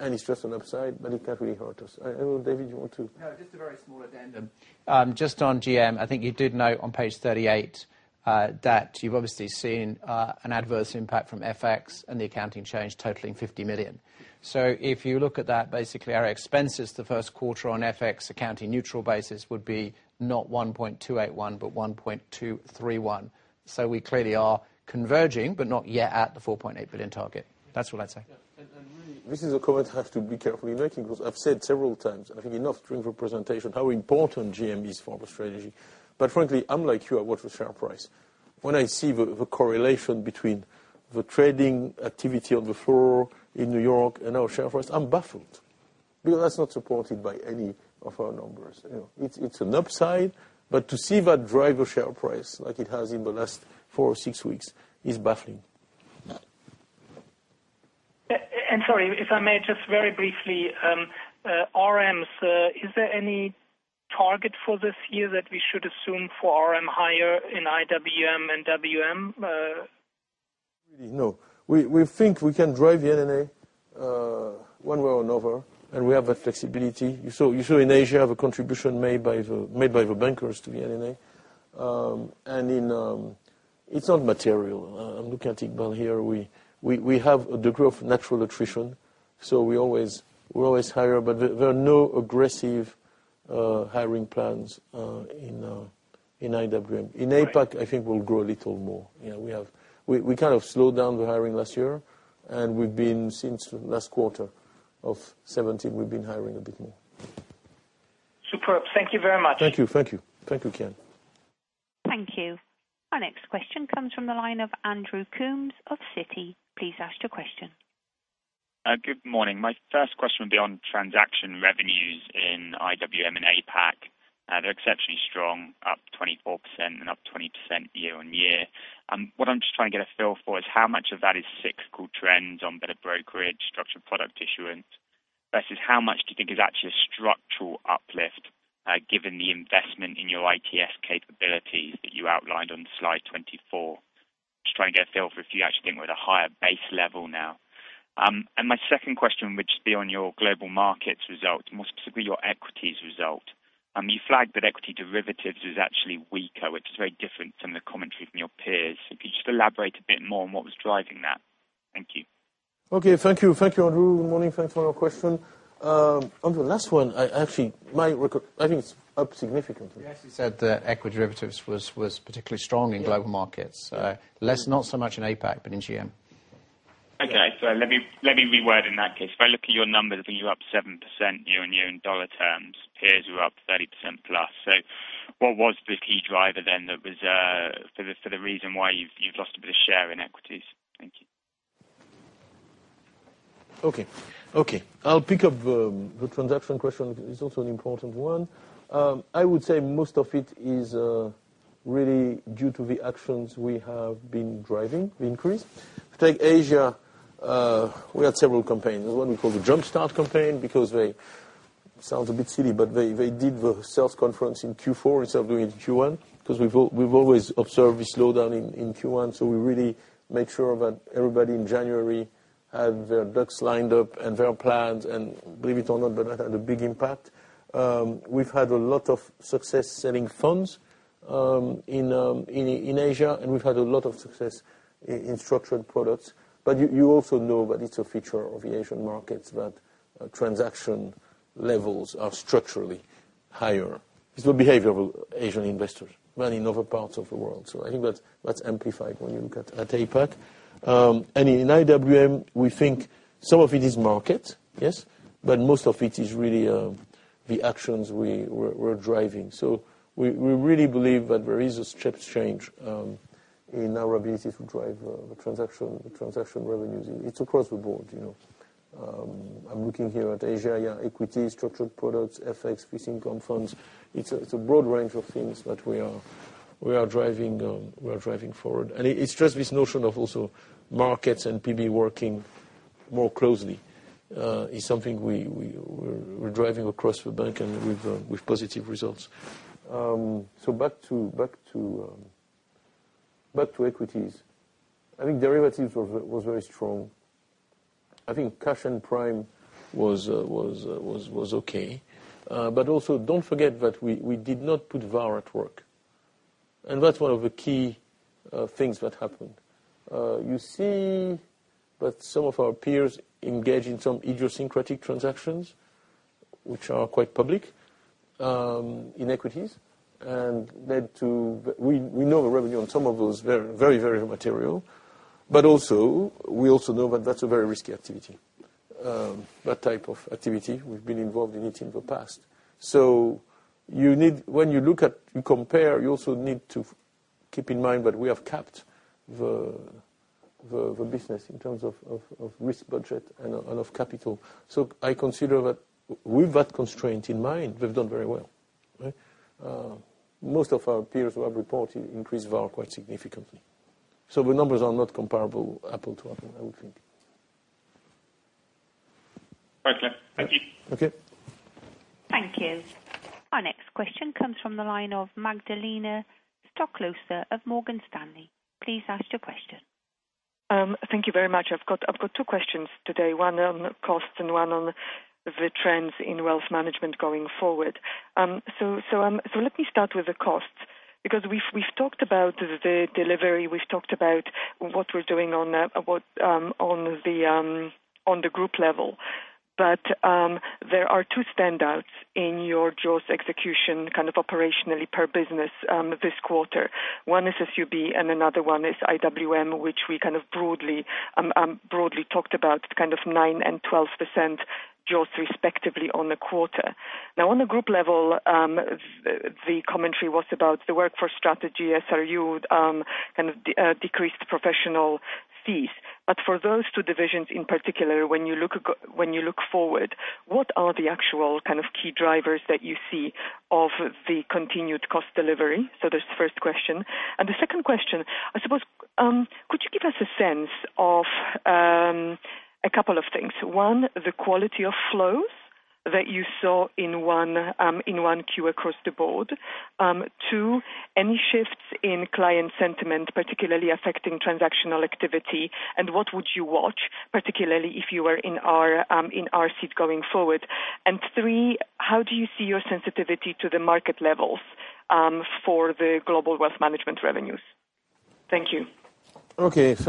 It's just an upside, but it can't really hurt us. I know, David, you want to- No, just a very small addendum. Just on GM, I think you did note on page 38 that you've obviously seen an adverse impact from FX and the accounting change totaling 50 million. If you look at that, basically our expenses the first quarter on FX accounting neutral basis would be not 1.281 billion, but 1.231 billion. We clearly are converging, but not yet at the 4.8 billion target. That's what I'd say. Yeah. Really, this is a comment I have to be careful in making, because I've said several times, I think enough during the presentation, how important GM is for the strategy. Frankly, I'm like you, I watch the share price. When I see the correlation between the trading activity on the floor in New York and our share price, I'm baffled. That's not supported by any of our numbers. It's an upside, but to see that drive a share price like it has in the last four or six weeks is baffling. Yeah. Sorry, if I may just very briefly, RMs, is there any target for this year that we should assume for RM hire in IWM and WM? No. We think we can drive the NNA, one way or another, and we have that flexibility. You saw in Asia, the contribution made by the bankers to the NNA. It's not material. I'm looking at Iqbal here. We have the growth, natural attrition, so we're always higher. There are no aggressive hiring plans in IWM. In APAC, I think we'll grow a little more. We slowed down the hiring last year, and since last quarter of 2017, we've been hiring a bit more. Superb. Thank you very much. Thank you, Kian. Thank you. Our next question comes from the line of Andrew Coombs of Citi. Please ask your question. Good morning. My first question will be on transaction revenues in IWM and APAC. They are exceptionally strong, up 24% and up 20% year-over-year. What I am just trying to get a feel for is how much of that is cyclical trends on better brokerage, structured product issuance, versus how much do you think is actually a structural uplift, given the investment in your ITS capabilities that you outlined on slide 24? Just trying to get a feel for if you actually think we are at a higher base level now. My second question, which is on your Global Markets results, more specifically your equities result. You flagged that equity derivatives is actually weaker, which is very different from the commentary from your peers. If you could just elaborate a bit more on what was driving that. Thank you. Okay. Thank you, Andrew. Good morning. Thanks for your question. On the last one, I think it is up significantly. We actually said that equity derivatives was particularly strong in Global Markets. Not so much in APAC, but in GM. Okay. Let me reword. In that case, if I look at your numbers, I think you're up 7% year-on-year in dollar terms. Peers were up 30% plus. What was the key driver then for the reason why you've lost a bit of share in equities? Thank you. Okay. I'll pick up the transaction question, it's also an important one. I would say most of it is really due to the actions we have been driving the increase. If you take Asia, we had several campaigns. There's one we call the Jumpstart campaign because they, sounds a bit silly, but they did the sales conference in Q4 instead of doing it in Q1, because we've always observed a slowdown in Q1. We really made sure that everybody in January had their ducks lined up and their plans, and believe it or not, that had a big impact. We've had a lot of success selling funds in Asia, and we've had a lot of success in structured products. You also know that it's a feature of the Asian markets that transaction levels are structurally higher. It's the behavior of Asian investors, than in other parts of the world. I think that's amplified when you look at APAC. In IWM, we think some of it is market, yes, but most of it is really the actions we're driving. We really believe that there is a step change in our ability to drive the transaction revenues. It's across the board. I'm looking here at Asia, yeah, equity, structured products, FX, fixed income funds. It's a broad range of things that we are driving forward. It's just this notion of also markets and PB working more closely, is something we're driving across the bank and with positive results. Back to equities. I think derivatives was very strong. I think cash and prime was okay. Also, don't forget that we did not put VaR at work. That's one of the key things that happened. You see that some of our peers engage in some idiosyncratic transactions, which are quite public in equities. We know the revenue on some of those, very material. We also know that that's a very risky activity, that type of activity. We've been involved in it in the past. When you compare, you also need to keep in mind that we have capped the business in terms of risk budget and of capital. I consider that with that constraint in mind, we've done very well, right? Most of our peers who have reported increased VaR quite significantly. The numbers are not comparable apple to apple, I would think. Right. Thank you. Okay. Thank you. Our next question comes from the line of Magdalena Stoklosa of Morgan Stanley. Please ask your question. Thank you very much. I've got two questions today, one on cost and one on the trends in wealth management going forward. Let me start with the costs, because we've talked about the delivery, we've talked about what we're doing on the group level. There are two standouts in your jaws execution, operationally per business this quarter. One is SUB and another one is IWM, which we broadly talked about, 9% and 12% jaws respectively on the quarter. Now on the group level, the commentary was about the workforce strategy, SRU, decreased professional fees. For those two divisions in particular, when you look forward, what are the actual key drivers that you see of the continued cost delivery? That's the first question. The second question, I suppose, could you give us a sense of a couple of things? One, the quality of flows that you saw in Q1 across the board. Two, any shifts in client sentiment, particularly affecting transactional activity, and what would you watch, particularly if you were in our seat going forward? Three, how do you see your sensitivity to the market levels for the global wealth management revenues? Thank you. On cost,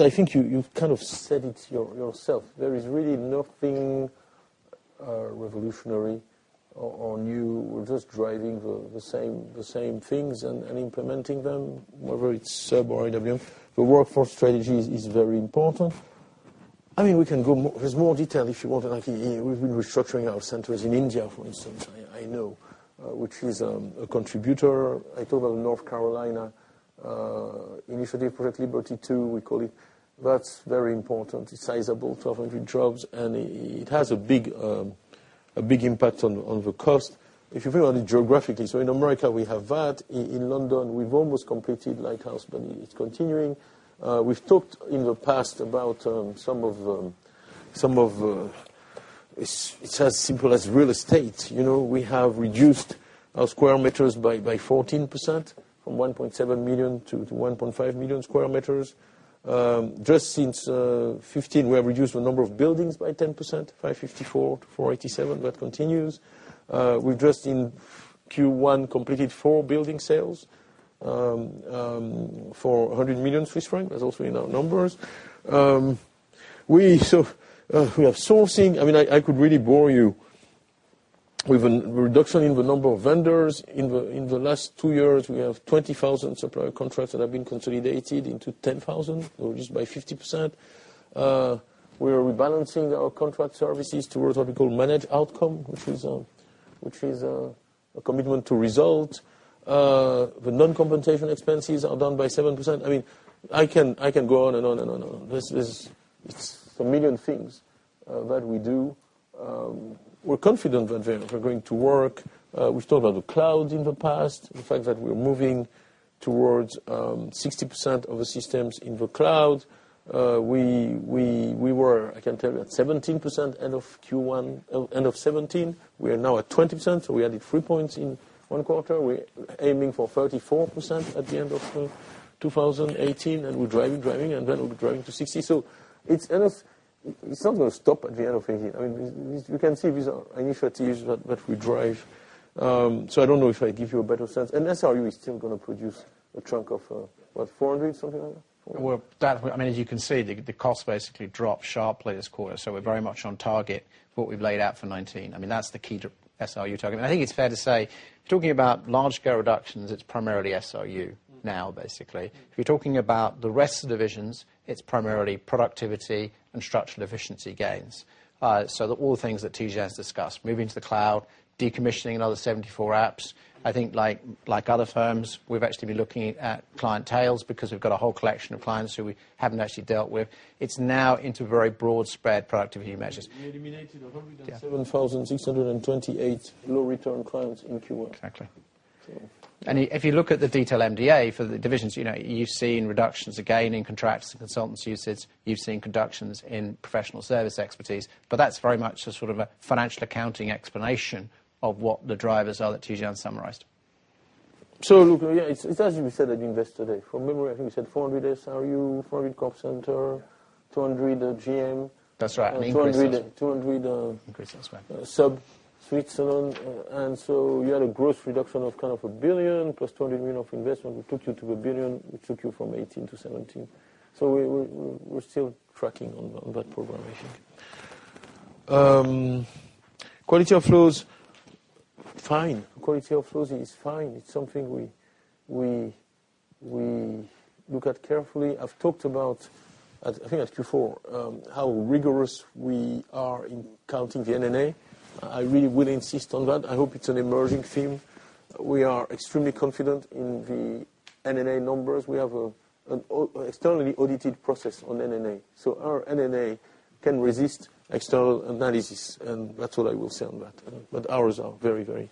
I think you kind of said it yourself. There is really nothing revolutionary or new. We're just driving the same things and implementing them, whether it's SUB or IWM. The workforce strategy is very important. I mean, there's more detail if you want. Like we've been restructuring our centers in India, for instance, I know, which is a contributor. I talked about North Carolina initiative, Project Liberty 2, we call it. That's very important. It's sizable, 1,200 jobs, and it has a big impact on the cost. In America, we have that. In London, we've almost completed Lighthouse, it's continuing. We've talked in the past about It's as simple as real estate. We have reduced our square meters by 14%, from 1.7 million to 1.5 million square meters. Just since 2015, we have reduced the number of buildings by 10%, 554 to 487. That continues. We've just, in Q1, completed four building sales for 100 million Swiss francs. That's also in our numbers. We have sourcing. I could really bore you with the reduction in the number of vendors. In the last two years, we have 20,000 supplier contracts that have been consolidated into 10,000, or reduced by 50%. We are rebalancing our contract services towards what we call managed outcome, which is a commitment to result. The non-compensation expenses are down by 7%. I mean, I can go on and on and on and on. It's a million things that we do. We're confident that they are going to work. We've talked about the cloud in the past, the fact that we're moving towards 60% of the systems in the cloud. We were, I can tell you, at 17% end of 2017. We are now at 20%, we added three points in one quarter. We're aiming for 34% at the end of 2018, we're driving, then we'll be driving to 60. It's not going to stop at the end of 2018. You can see these are initiatives that we drive. I don't know if I give you a better sense. SRU is still going to produce a chunk of what, 400 something like that? Well, as you can see, the cost basically dropped sharply this quarter, so we're very much on target for what we've laid out for 2019. That's the key to SRU target. I think it's fair to say, talking about large-scale reductions, it's primarily SRU now, basically. If you're talking about the rest of the divisions, it's primarily productivity and structural efficiency gains. All the things that Tidjane has discussed, moving to the cloud, decommissioning another 74 apps. I think like other firms, we've actually been looking at client tails because we've got a whole collection of clients who we haven't actually dealt with. It's now into very broad spread productivity measures. We eliminated 107,628 low-return clients in Q1. Exactly. So. If you look at the detail MDA for the divisions, you've seen reductions, again, in contracts and consultants usage. You've seen reductions in professional service expertise, but that's very much a sort of a financial accounting explanation of what the drivers are that Tidjane summarized. Look, yeah, it's as we said at Investor Day. From memory, I think we said 400 SRU, 400 Corp Center, 200 GM. That's right. And 200- Increase that, yeah SUB Switzerland. You had a gross reduction of kind of 1 billion plus 200 million of investment, which took you to 1 billion, which took you from 18 billion-17 billion. We're still tracking on that program, I think. Quality of flows, fine. Quality of flows is fine. It's something we look at carefully. I've talked about, I think it was Q4, how rigorous we are in counting the NNA. I really will insist on that. I hope it's an emerging theme. We are extremely confident in the NNA numbers. We have an externally audited process on NNA, our NNA can resist external analysis, that's all I will say on that. Ours are very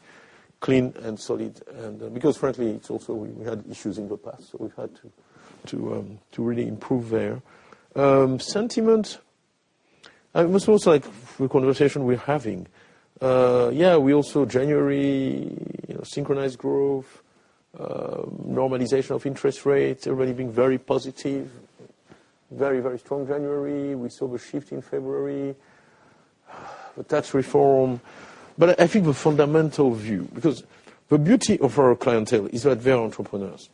clean and solid because frankly, it's also we had issues in the past, we've had to really improve there. Sentiment, it was also like the conversation we're having. We also January synchronized growth, normalization of interest rates already being very positive. Very strong January. We saw the shift in February, the tax reform. I think the fundamental view, because the beauty of our clientele is that they are entrepreneurs.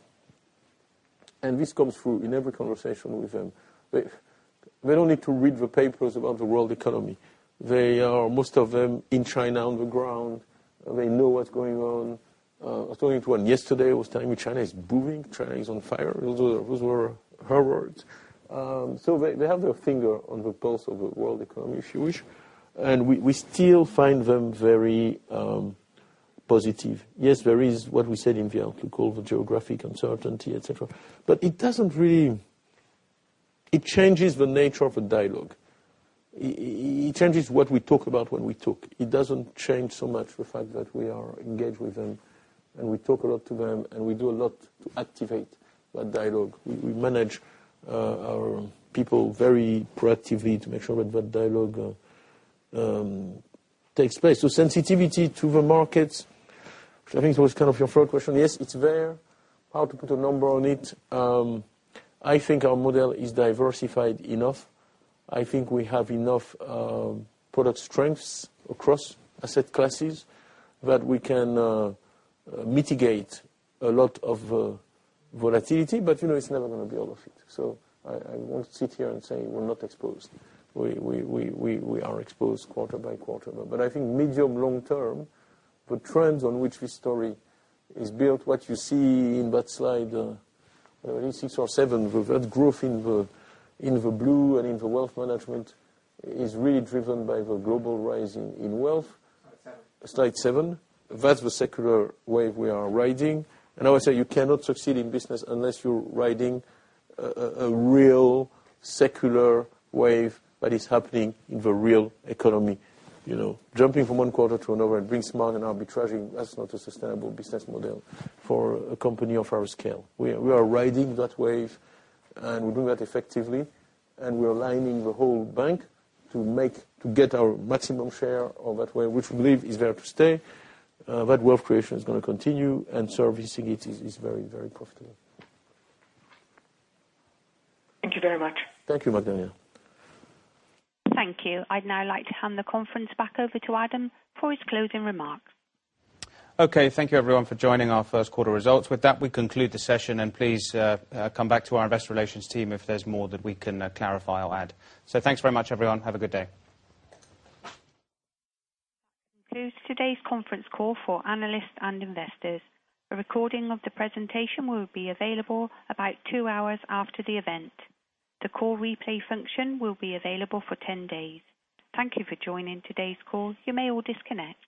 This comes through in every conversation with them. They don't need to read the papers about the world economy. They are, most of them, in China on the ground. They know what's going on. I was talking to one yesterday, was telling me China is booming, China is on fire. Those were her words. They have their finger on the pulse of the world economy, if you wish, and we still find them very positive. There is what we said in the outlook, we call the geographic uncertainty, et cetera. It changes the nature of the dialogue. It changes what we talk about when we talk. It doesn't change so much the fact that we are engaged with them, we talk a lot to them, we do a lot to activate that dialogue. We manage our people very proactively to make sure that dialogue takes place. Sensitivity to the markets, which I think was kind of your first question, it's there. How to put a number on it? I think our model is diversified enough I think we have enough product strengths across asset classes that we can mitigate a lot of volatility, but it's never going to be all of it. I won't sit here and say we're not exposed. We are exposed quarter by quarter. I think medium, long-term, the trends on which this story is built, what you see in that slide, in six or seven, with that growth in the blue and in the wealth management, is really driven by the global rise in wealth. Slide seven. Slide seven. That's the secular wave we are riding. I would say you cannot succeed in business unless you're riding a real secular wave that is happening in the real economy. Jumping from one quarter to another and being smart and arbitraging, that's not a sustainable business model for a company of our scale. We are riding that wave, and we're doing that effectively, and we're aligning the whole bank to get our maximum share of that wave, which we believe is there to stay. That wealth creation is going to continue, and servicing it is very, very profitable. Thank you very much. Thank you, Magdalena. Thank you. I'd now like to hand the conference back over to Adam for his closing remarks. Okay. Thank you everyone for joining our first quarter results. With that, we conclude the session, please come back to our investor relations team if there's more that we can clarify or add. Thanks very much, everyone. Have a good day. That concludes today's conference call for analysts and investors. A recording of the presentation will be available about two hours after the event. The call replay function will be available for 10 days. Thank you for joining today's call. You may all disconnect.